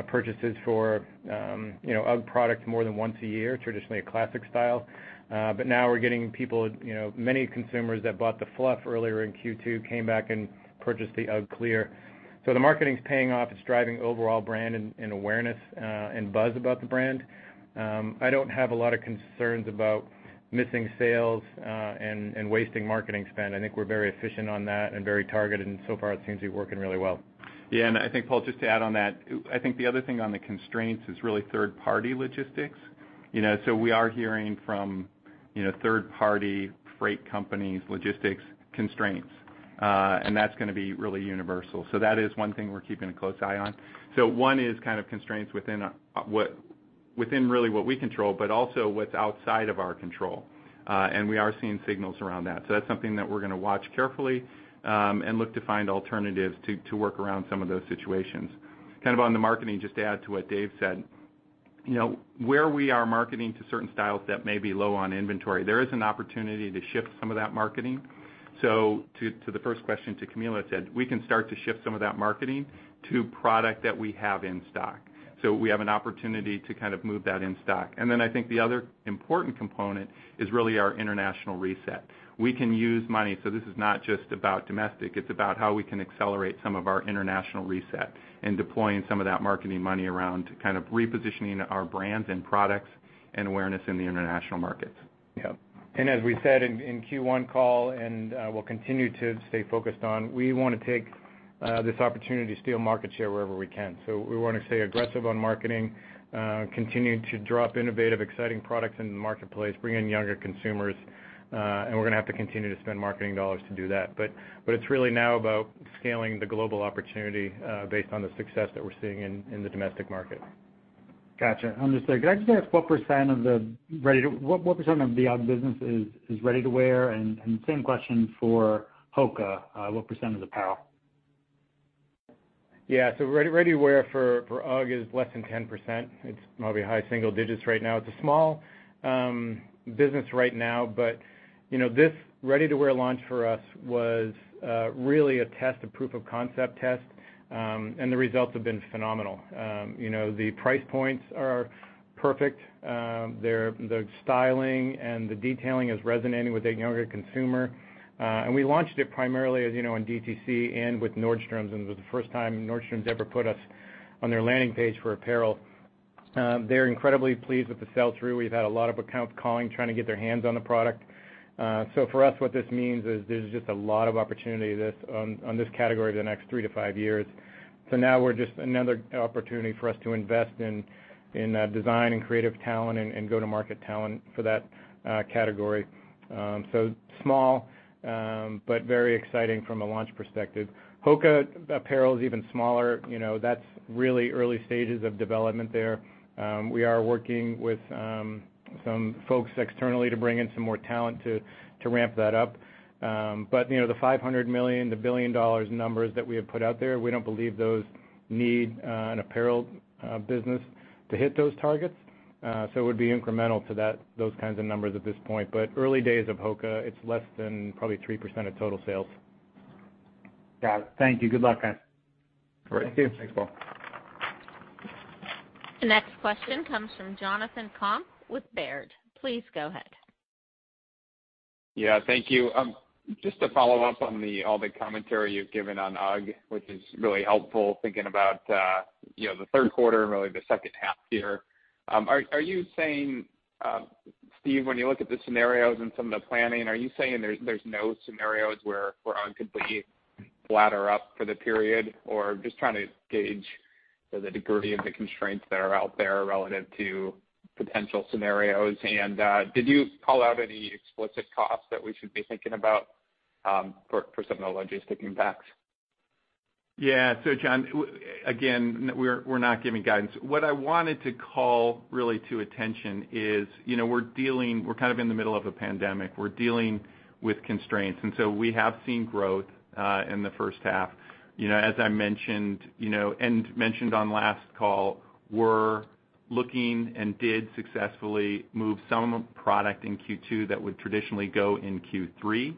Speaker 3: purchases for UGG product more than once a year, traditionally a classic style. Now we're getting people, many consumers that bought the Fluff earlier in Q2 came back and Purchase the UGG Clear. The marketing's paying off. It's driving overall brand and awareness and buzz about the brand. I don't have a lot of concerns about missing sales and wasting marketing spend. I think we're very efficient on that and very targeted, and so far it seems to be working really well.
Speaker 4: Yeah. And I think, Paul, just to add on that, I think the other thing on the constraints is really third-party logistics. We are hearing from third-party freight companies, logistics constraints, and that's going to be really universal. That is one thing we're keeping a close eye on. One is constraints within really what we control, but also what's outside of our control. We are seeing signals around that. That's something that we're going to watch carefully and look to find alternatives to work around some of those situations. On the marketing, just to add to what Dave said, where we are marketing to certain styles that may be low on inventory, there is an opportunity to shift some of that marketing. To the first question to Camilo said, we can start to shift some of that marketing to product that we have in stock. We have an opportunity to move that in stock. Then I think the other important component is really our international reset. We can use money. This is not just about domestic. It's about how we can accelerate some of our international reset and deploying some of that marketing money around to kind of repositioning our brands and products and awareness in the international markets.
Speaker 3: Yeah. As we said in Q1 call, and we'll continue to stay focused on, we want to take this opportunity to steal market share wherever we can. We want to stay aggressive on marketing, continue to drop innovative, exciting products in the marketplace, bring in younger consumers, and we're going to have to continue to spend marketing dollars to do that. It's really now about scaling the global opportunity, based on the success that we're seeing in the domestic market.
Speaker 6: Got you. I'm just saying, could I just ask what percent of the UGG business is ready to wear? Same question for HOKA. What percent is apparel?
Speaker 3: Yeah. Ready-to-wear for UGG is less than 10%. It's probably high single digits right now. It's a small business right now, but this ready-to-wear launch for us was really a test, a proof of concept test. The results have been phenomenal. The price points are perfect. The styling and the detailing is resonating with a younger consumer. We launched it primarily, as you know, on DTC and with Nordstrom. It was the first time Nordstrom's ever put us on their landing page for apparel. They're incredibly pleased with the sell-through. We've had a lot of accounts calling, trying to get their hands on the product. For us, what this means is there's just a lot of opportunity on this category the next three to five years. Now we're just another opportunity for us to invest in design and creative talent and go-to-market talent for that category. HOKA apparel is even smaller. That's really early stages of development there. We are working with some folks externally to bring in some more talent to ramp that up. The $500 million-$1 billion numbers that we have put out there, we don't believe those need an apparel business to hit those targets. It would be incremental to those kinds of numbers at this point. Early days of HOKA, it's less than probably 3% of total sales.
Speaker 6: Got it. Thank you. Good luck, guys.
Speaker 3: Great. Thank you.
Speaker 4: Thanks, Paul.
Speaker 1: The next question comes from Jonathan Komp with Baird. Please go ahead.
Speaker 7: Yeah. Thank you. Just to follow-up on all the commentary you've given on UGG, which is really helpful thinking about the third quarter and really the second half here. Are you saying, Steve, when you look at the scenarios and some of the planning, are you saying there's no scenarios where UGG could be ladder up for the period? Just trying to gauge the degree of the constraints that are out there relative to potential scenarios. Did you call out any explicit costs that we should be thinking about for some of the logistics impacts?
Speaker 4: Yeah. Jon, again, we're not giving guidance. What I wanted to call really to attention is we're kind of in the middle of a pandemic. We're dealing with constraints. We have seen growth in the first half. As I mentioned and mentioned on last call, we're looking and did successfully move some product in Q2 that would traditionally go in Q3.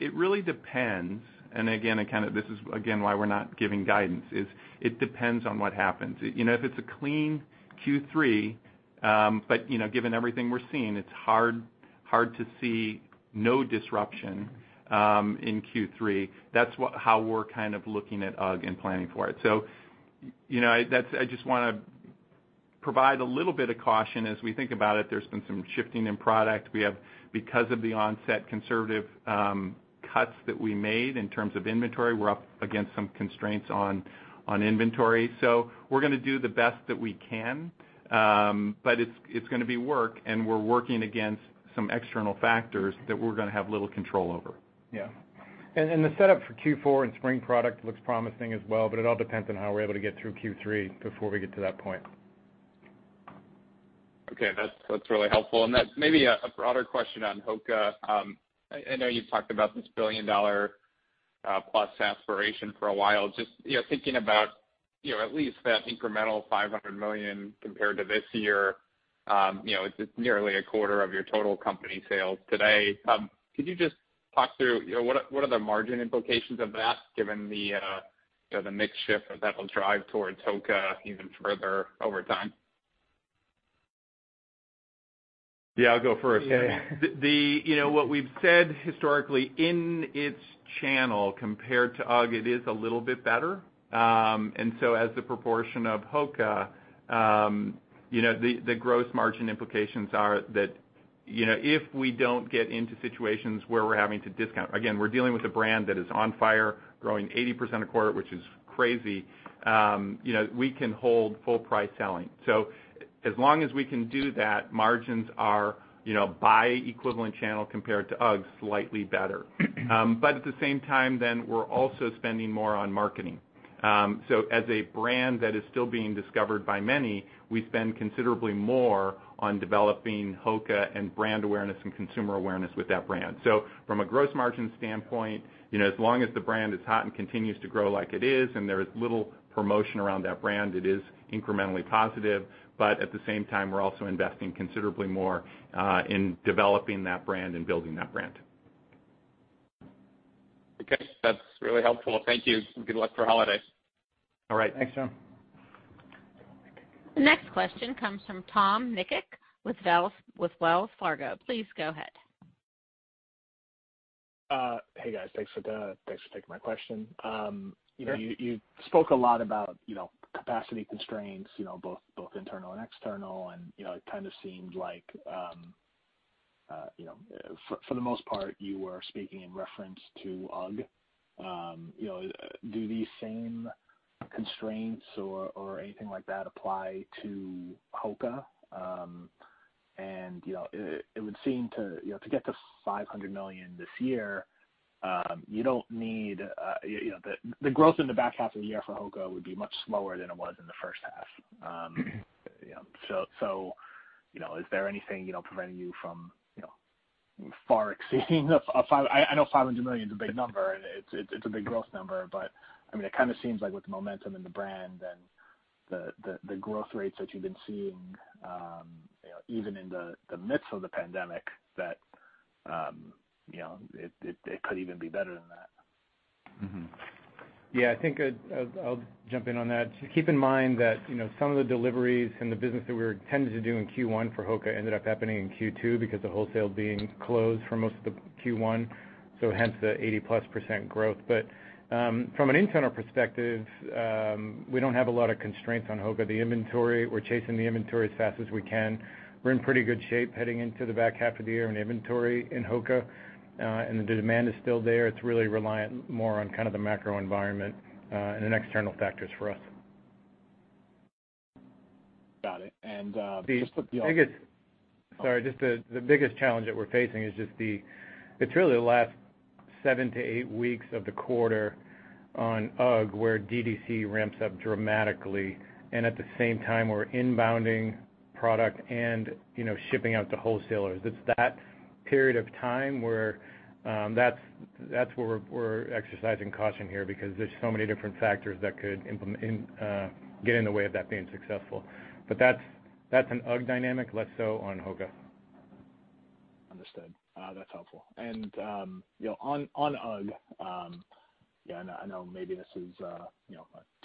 Speaker 4: It really depends, and again, this is again why we're not giving guidance is it depends on what happens. If it's a clean Q3, given everything we're seeing, it's hard to see no disruption in Q3. That's how we're kind of looking at UGG and planning for it. I just want to provide a little bit of caution as we think about it. There's been some shifting in product. Because of the onset conservative cuts that we made in terms of inventory, we're up against some constraints on inventory. We're going to do the best that we can, but it's going to be work, and we're working against some external factors that we're going to have little control over.
Speaker 3: Yeah. The setup for Q4 and spring product looks promising as well. It all depends on how we're able to get through Q3 before we get to that point.
Speaker 7: Okay. That's really helpful. That's maybe a broader question on HOKA. I know you've talked about this billion-dollar plus aspiration for a while. Just thinking about at least that incremental $500 million compared to this year, it's nearly a quarter of your total company sales today. Could you just talk through what are the margin implications of that given the mix shift that'll drive towards HOKA even further over time?
Speaker 4: Yeah, I'll go first.
Speaker 3: Yeah.
Speaker 4: What we've said historically, in its channel compared to UGG, it is a little bit better. As the proportion of HOKA, the gross margin implications are that if we don't get into situations where we're having to discount, again, we're dealing with a brand that is on fire, growing 80% a quarter, which is crazy. We can hold full price selling. As long as we can do that, margins are, by equivalent channel compared to UGG, slightly better. At the same time, we're also spending more on marketing. As a brand that is still being discovered by many, we spend considerably more on developing HOKA and brand awareness and consumer awareness with that brand. From a gross margin standpoint, as long as the brand is hot and continues to grow like it is, and there is little promotion around that brand, it is incrementally positive. At the same time, we're also investing considerably more in developing that brand and building that brand.
Speaker 7: Okay. That's really helpful. Thank you. Good luck for holidays.
Speaker 4: All right.
Speaker 3: Thanks, Jon.
Speaker 1: The next question comes from Tom Nikic with Wells Fargo. Please go ahead.
Speaker 8: Hey, guys. Thanks for taking my question.
Speaker 3: Sure.
Speaker 8: You spoke a lot about capacity constraints, both internal and external, and it kind of seemed like for the most part, you were speaking in reference to UGG. Do these same constraints or anything like that apply to HOKA? It would seem to get to $500 million this year, the growth in the back half of the year for HOKA would be much slower than it was in the first half. Is there anything preventing you from far exceeding I know $500 million is a big number, and it's a big growth number, but it kind of seems like with the momentum and the brand and the growth rates that you've been seeing, even in the midst of the pandemic, that it could even be better than that.
Speaker 3: I think I'll jump in on that. Keep in mind that some of the deliveries and the business that we were intended to do in Q1 for HOKA ended up happening in Q2 because of wholesale being closed for most of the Q1, hence the 80+% growth. From an internal perspective, we don't have a lot of constraints on HOKA. The inventory, we're chasing the inventory as fast as we can. We're in pretty good shape heading into the back half of the year in inventory in HOKA. The demand is still there. It's really reliant more on kind of the macro environment and external factors for us.
Speaker 8: Got it.
Speaker 3: Sorry, just the biggest challenge that we're facing is it's really the last seven to eight weeks of the quarter on UGG, where DTC ramps up dramatically, and at the same time, we're inbounding product and shipping out to wholesalers. It's that period of time where that's where we're exercising caution here because there's so many different factors that could get in the way of that being successful. That's an UGG dynamic, less so on HOKA.
Speaker 8: Understood. That's helpful. On UGG, I know maybe this is a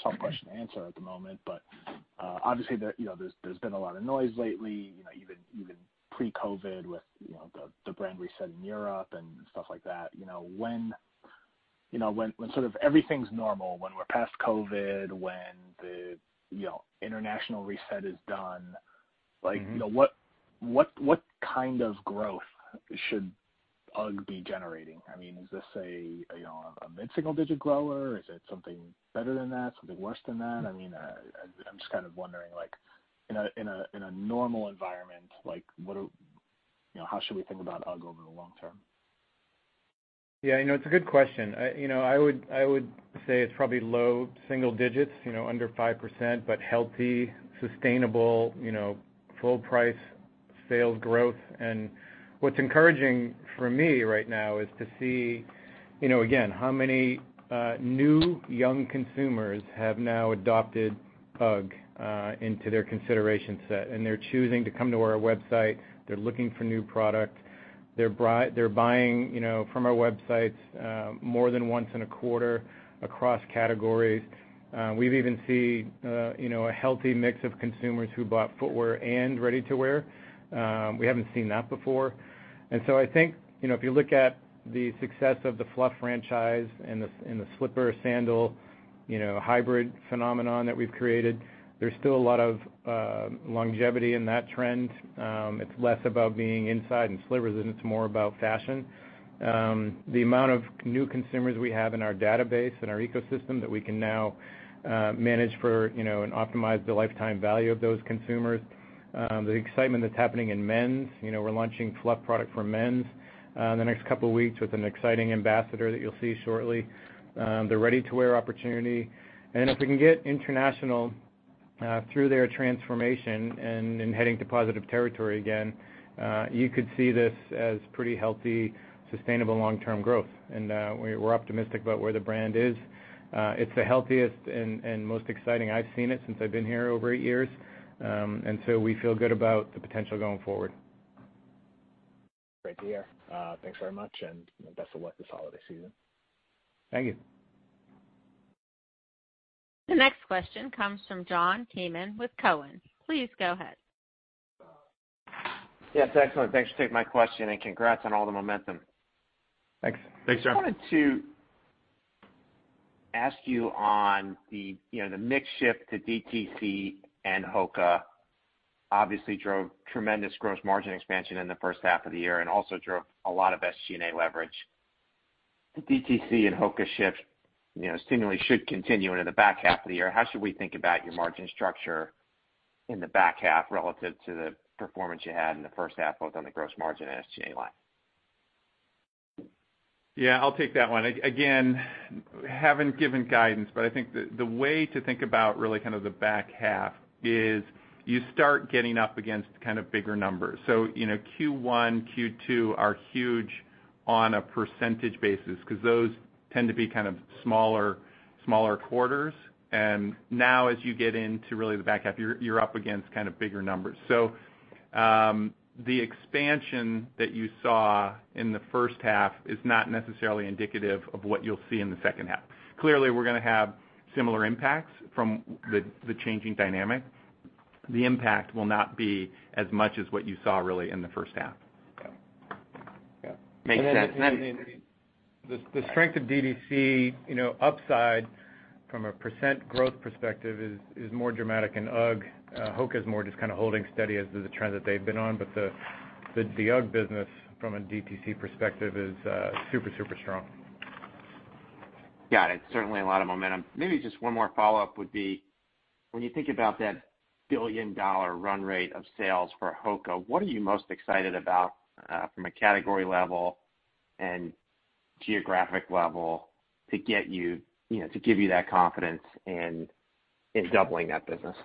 Speaker 8: tough question to answer at the moment, but obviously there's been a lot of noise lately, even pre-COVID with the brand reset in Europe and stuff like that. When sort of everything's normal, when we're past COVID, when the international reset is done. What kind of growth should UGG be generating? Is this a mid-single digit grower? Is it something better than that, something worse than that? I'm just kind of wondering in a normal environment, how should we think about UGG over the long term?
Speaker 4: Yeah. It's a good question. I would say it's probably low single digits, under 5%, but healthy, sustainable full-price sales growth. What's encouraging for me right now is to see, again, how many new young consumers have now adopted UGG into their consideration set, and they're choosing to come to our website. They're looking for new product. They're buying from our websites more than once in a quarter across categories. We've even seen a healthy mix of consumers who bought footwear and ready-to-wear. We haven't seen that before. I think if you look at the success of the Fluff franchise and the slipper sandal hybrid phenomenon that we've created, there's still a lot of longevity in that trend. It's less about being inside and slippers, and it's more about fashion. The amount of new consumers we have in our database and our ecosystem that we can now manage for and optimize the lifetime value of those consumers. The excitement that's happening in men's, we're launching Fluff product for men in the next couple of weeks with an exciting ambassador that you'll see shortly. The ready-to-wear opportunity. If we can get international through their transformation and heading to positive territory again, you could see this as pretty healthy, sustainable long-term growth, and we're optimistic about where the brand is. It's the healthiest and most exciting I've seen it since I've been here over eight years, and so we feel good about the potential going forward.
Speaker 8: Great to hear. Thanks very much, and best of luck this holiday season.
Speaker 4: Thank you.
Speaker 1: The next question comes from John Kernan with Cowen. Please go ahead.
Speaker 9: Yes. Excellent. Thanks for taking my question, and congrats on all the momentum.
Speaker 3: Thanks. Thanks, John.
Speaker 9: I wanted to ask you on the mix shift to DTC and HOKA obviously drove tremendous gross margin expansion in the first half of the year and also drove a lot of SG&A leverage. The DTC and HOKA shift seemingly should continue into the back half of the year. How should we think about your margin structure in the back half relative to the performance you had in the first half, both on the gross margin and SG&A line?
Speaker 4: Yeah, I'll take that one. Again, haven't given guidance, but I think the way to think about really the back half is you start getting up against bigger numbers. Q1, Q2 are huge on a percentage basis because those tend to be smaller quarters. Now as you get into really the back half, you're up against bigger numbers. The expansion that you saw in the first half is not necessarily indicative of what you'll see in the second half. Clearly, we're going to have similar impacts from the changing dynamic. The impact will not be as much as what you saw really in the first half.
Speaker 9: Yeah. Makes sense.
Speaker 3: The strength of DTC upside from a percent growth perspective is more dramatic in UGG. HOKA is more just holding steady as the trend that they've been on. The UGG business from a DTC perspective is super strong.
Speaker 9: Got it. Certainly a lot of momentum. Maybe just one more follow-up would be, when you think about that billion-dollar run rate of sales for HOKA, what are you most excited about, from a category level and geographic level, to give you that confidence in doubling that business?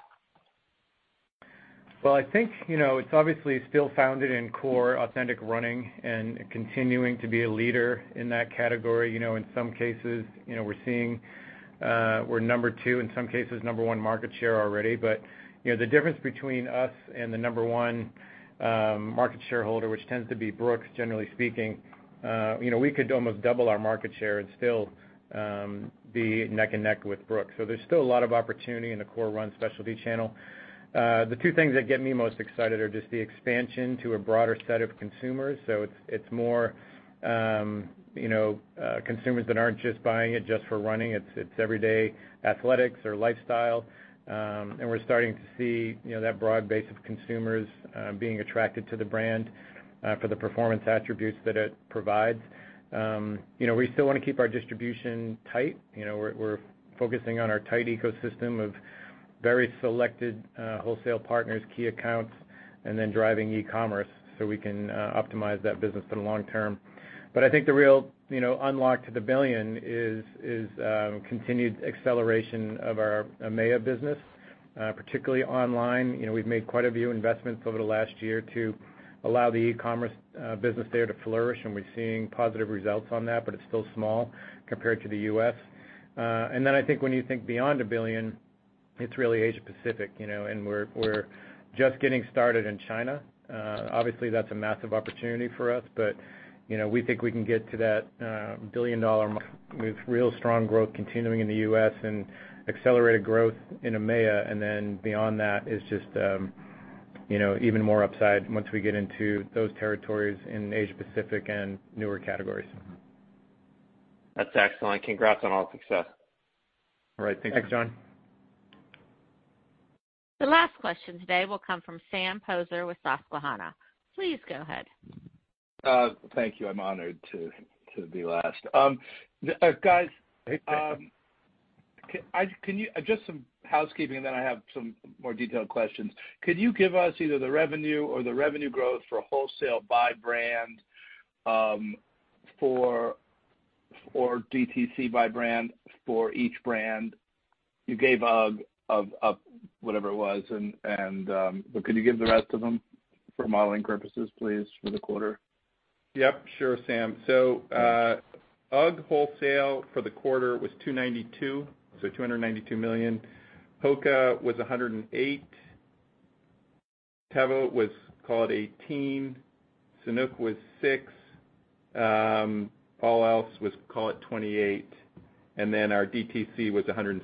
Speaker 3: I think it's obviously still founded in core authentic running and continuing to be a leader in that category. In some cases, we're seeing we're number two, in some cases number one market share already. The difference between us and the number one market shareholder, which tends to be Brooks, generally speaking, we could almost double our market share and still be neck and neck with Brooks. There's still a lot of opportunity in the core run specialty channel. The two things that get me most excited are just the expansion to a broader set of consumers. It's more consumers that aren't just buying it just for running. It's everyday athletics or lifestyle. We're starting to see that broad base of consumers being attracted to the brand for the performance attributes that it provides. We still want to keep our distribution tight. We're focusing on our tight ecosystem of very selected wholesale partners, key accounts, then driving e-commerce so we can optimize that business for the long term. I think the real unlock to the billion is continued acceleration of our EMEA business, particularly online. We've made quite a few investments over the last year to allow the e-commerce business there to flourish, and we're seeing positive results on that, but it's still small compared to the U.S. I think when you think beyond a billion, it's really Asia-Pacific. We're just getting started in China. Obviously, that's a massive opportunity for us, but we think we can get to that billion-dollar mark with real strong growth continuing in the U.S. and accelerated growth in EMEA. Beyond that is just even more upside once we get into those territories in Asia-Pacific and newer categories.
Speaker 9: That's excellent. Congrats on all the success.
Speaker 3: All right. Thank you. Thanks, John.
Speaker 1: The last question today will come from Sam Poser with Susquehanna. Please go ahead.
Speaker 10: Thank you. I'm honored to be last.
Speaker 3: Hey, Sam.
Speaker 10: Just some housekeeping, and then I have some more detailed questions. Could you give us either the revenue or the revenue growth for wholesale by brand, for DTC by brand, for each brand? You gave UGG, whatever it was, but could you give the rest of them for modeling purposes, please, for the quarter?
Speaker 4: Yep. Sure, Sam. UGG wholesale for the quarter was $292, so $292 million. HOKA was $108. Teva was, call it $18. Sanuk was $6. All else was, call it $28, and then our DTC was $172.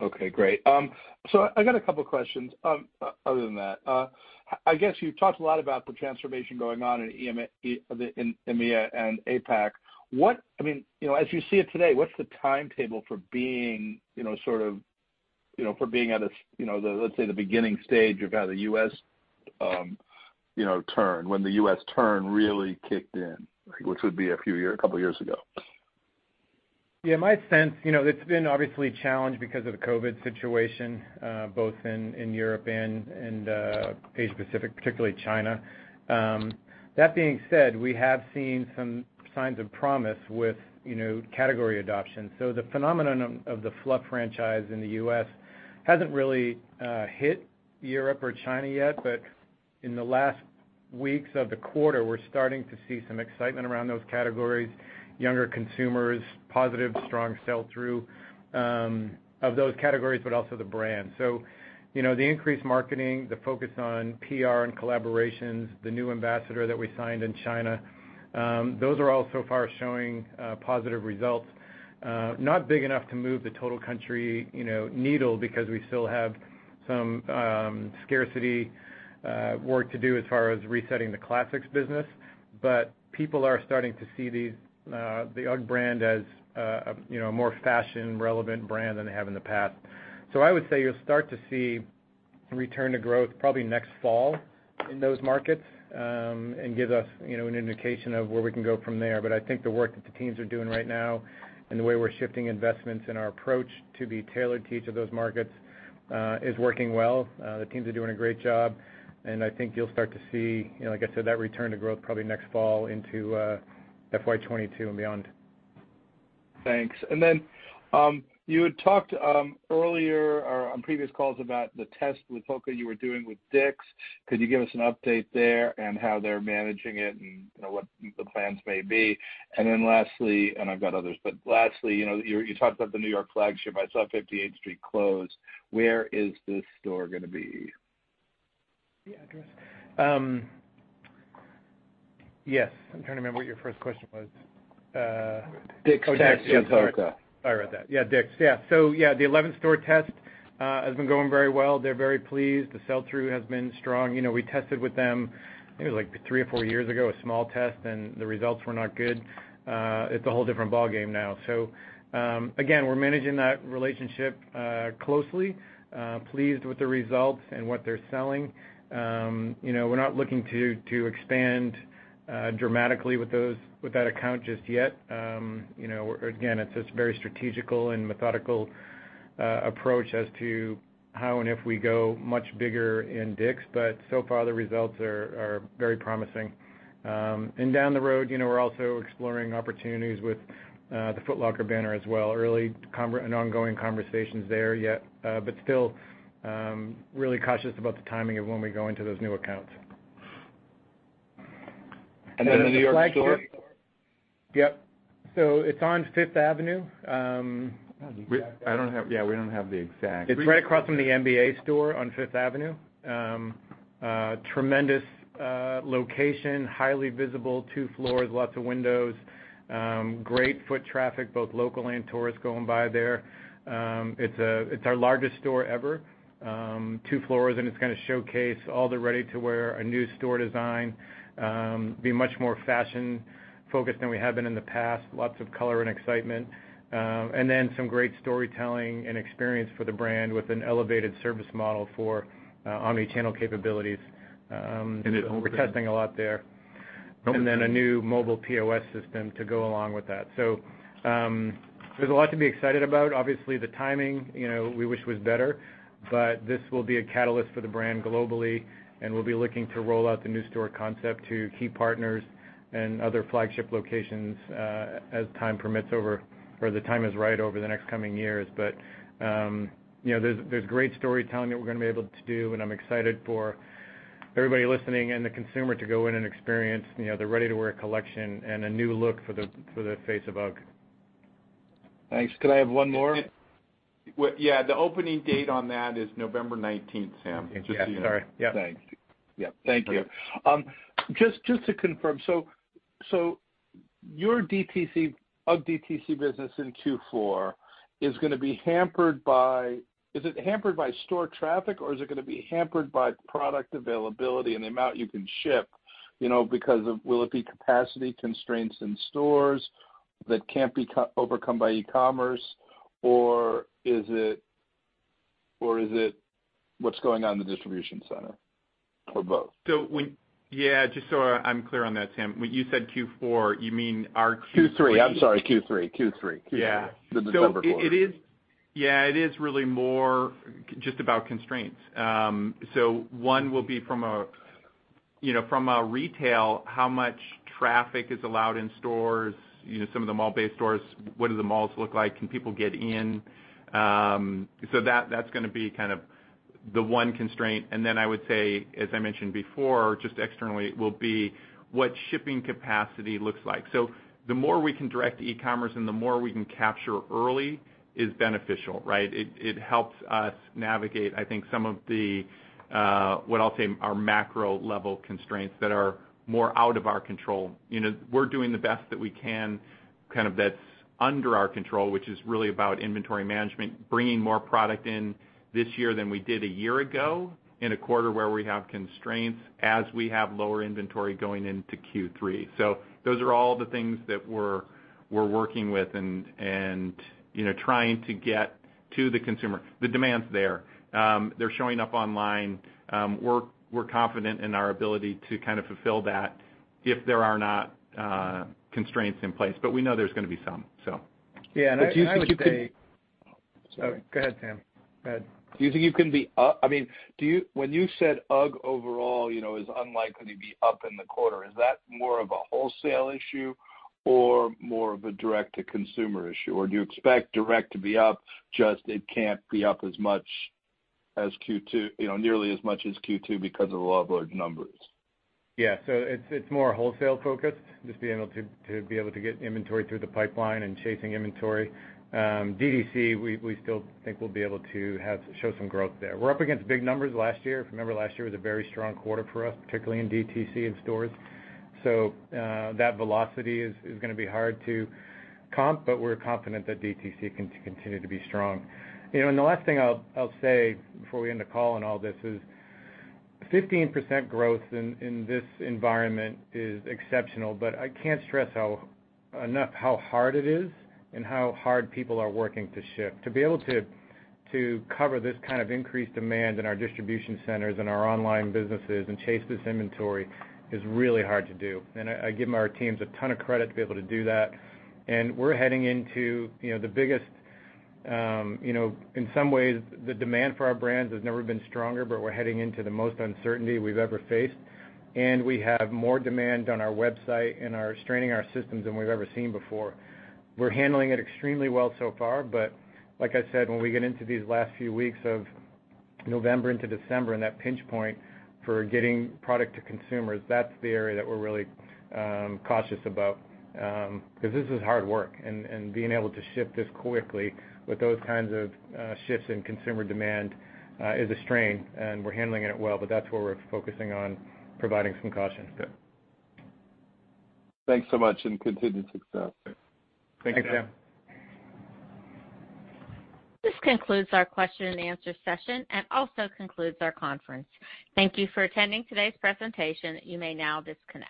Speaker 10: Okay, great. I got a couple questions other than that. I guess you've talked a lot about the transformation going on in EMEA and APAC. As you see it today, what's the timetable for being at a, let's say, the beginning stage of how the U.S. turn, when the U.S. turn really kicked in, which would be a couple years ago?
Speaker 3: My sense, it's been obviously a challenge because of the COVID situation, both in Europe and Asia-Pacific, particularly China. That being said, we have seen some signs of promise with category adoption. The phenomenon of the Fluff franchise in the U.S. hasn't really hit Europe or China yet. In the last weeks of the quarter, we're starting to see some excitement around those categories, younger consumers, positive strong sell-through of those categories, also the brand. The increased marketing, the focus on PR and collaborations, the new ambassador that we signed in China, those are all so far showing positive results. Not big enough to move the total country needle because we still have some scarcity work to do as far as resetting the Classics business. People are starting to see the UGG brand as a more fashion-relevant brand than they have in the past. I would say you'll start to see return to growth probably next fall in those markets, and give us an indication of where we can go from there. I think the work that the teams are doing right now and the way we're shifting investments and our approach to be tailored to each of those markets is working well. The teams are doing a great job, and I think you'll start to see, like I said, that return to growth probably next fall into FY 2022 and beyond.
Speaker 10: Thanks. You had talked earlier or on previous calls about the test with HOKA you were doing with Dick's. Could you give us an update there and how they're managing it and what the plans may be? Lastly, you talked about the New York flagship. I saw 58th Street closed. Where is this store going to be?
Speaker 3: The address. Yes. I'm trying to remember what your first question was.
Speaker 10: Dick's-
Speaker 3: Oh, Dick's. Yeah. Sorry about that. Yeah, Dick's. Yeah. The 11th store test has been going very well. They're very pleased. The sell-through has been strong. We tested with them, I think it was like three or four years ago, a small test, and the results were not good. It's a whole different ballgame now. Again, we're managing that relationship closely. Pleased with the results and what they're selling. We're not looking to expand dramatically with that account just yet. Again, it's this very strategical and methodical approach as to how and if we go much bigger in Dick's. So far, the results are very promising. Down the road, we're also exploring opportunities with the Foot Locker banner as well. Early and ongoing conversations there, still really cautious about the timing of when we go into those new accounts.
Speaker 10: The New York store?
Speaker 3: Yep. It's on Fifth Avenue. I don't know the exact address.
Speaker 4: Yeah, we don't have the exact-
Speaker 3: It's right across from the NBA Store on Fifth Avenue. Tremendous location, highly visible, two floors, lots of windows. Great foot traffic, both local and tourists going by there. It's our largest store ever. Two floors, it's going to showcase all the ready-to-wear, a new store design. It will be much more fashion-focused than we have been in the past. Lots of color and excitement. Some great storytelling and experience for the brand with an elevated service model for omni-channel capabilities. We're testing a lot there. A new mobile POS system to go along with that. There's a lot to be excited about. Obviously, the timing, we wish was better, but this will be a catalyst for the brand globally, and we'll be looking to roll out the new store concept to key partners and other flagship locations as time permits or as the time is right over the next coming years. There's great storytelling that we're going to be able to do, and I'm excited for everybody listening and the consumer to go in and experience the ready-to-wear collection and a new look for the face of UGG.
Speaker 10: Thanks. Could I have one more?
Speaker 4: Yeah, the opening date on that is November 19th, Sam. Just so you know.
Speaker 10: Yeah, sorry. Yep. Thank you. Just to confirm, your UGG DTC business in Q4, is it hampered by store traffic, or is it going to be hampered by product availability and the amount you can ship because of will it be capacity constraints in stores that can't be overcome by e-commerce, or is it what's going on in the distribution center, or both?
Speaker 3: Yeah, just so I'm clear on that, Sam, when you said Q4, you mean our Q3-?
Speaker 10: Q3. I'm sorry, Q3.
Speaker 3: Yeah.
Speaker 4: The December quarter.
Speaker 3: Yeah, it is really more just about constraints. One will be from a retail, how much traffic is allowed in stores, some of the mall-based stores, what do the malls look like? Can people get in? That's going to be the one constraint. I would say, as I mentioned before, just externally, will be what shipping capacity looks like. The more we can direct e-commerce and the more we can capture early is beneficial, right? It helps us navigate I think some of the, what I'll say, our macro-level constraints that are more out of our control. We're doing the best that we can that's under our control, which is really about inventory management, bringing more product in this year than we did a year ago in a quarter where we have constraints as we have lower inventory going into Q3. Those are all the things that we're working with and trying to get to the consumer. The demand's there. They're showing up online. We're confident in our ability to fulfill that if there are not constraints in place, but we know there's going to be some.
Speaker 10: Yeah, and I would say-
Speaker 3: Sorry. Go ahead, Sam. Go ahead.
Speaker 10: When you said UGG overall is unlikely to be up in the quarter, is that more of a wholesale issue or more of a direct-to-consumer issue? Or do you expect direct to be up, just it can't be up nearly as much as Q2 because of the low numbers?
Speaker 3: It's more wholesale focused, just to be able to get inventory through the pipeline and chasing inventory. DTC, we still think we'll be able to show some growth there. We're up against big numbers last year. If you remember, last year was a very strong quarter for us, particularly in DTC and stores. That velocity is going to be hard to comp, but we're confident that DTC can continue to be strong. The last thing I'll say before we end the call on all this is 15% growth in this environment is exceptional, but I can't stress enough how hard it is and how hard people are working to ship. To be able to cover this kind of increased demand in our distribution centers and our online businesses and chase this inventory is really hard to do. I give our teams a ton of credit to be able to do that. We're heading into the biggest, in some ways, the demand for our brands has never been stronger, but we're heading into the most uncertainty we've ever faced. We have more demand on our website and are straining our systems than we've ever seen before. We're handling it extremely well so far, but like I said, when we get into these last few weeks of November into December and that pinch point for getting product to consumers, that's the area that we're really cautious about. This is hard work, and being able to ship this quickly with those kinds of shifts in consumer demand is a strain, and we're handling it well, but that's where we're focusing on providing some caution.
Speaker 10: Good. Thanks so much, and continued success.
Speaker 3: Thank you, Sam.
Speaker 4: Thank you, Sam.
Speaker 1: This concludes our question-and-answer session and also concludes our conference. Thank you for attending today's presentation. You may now disconnect.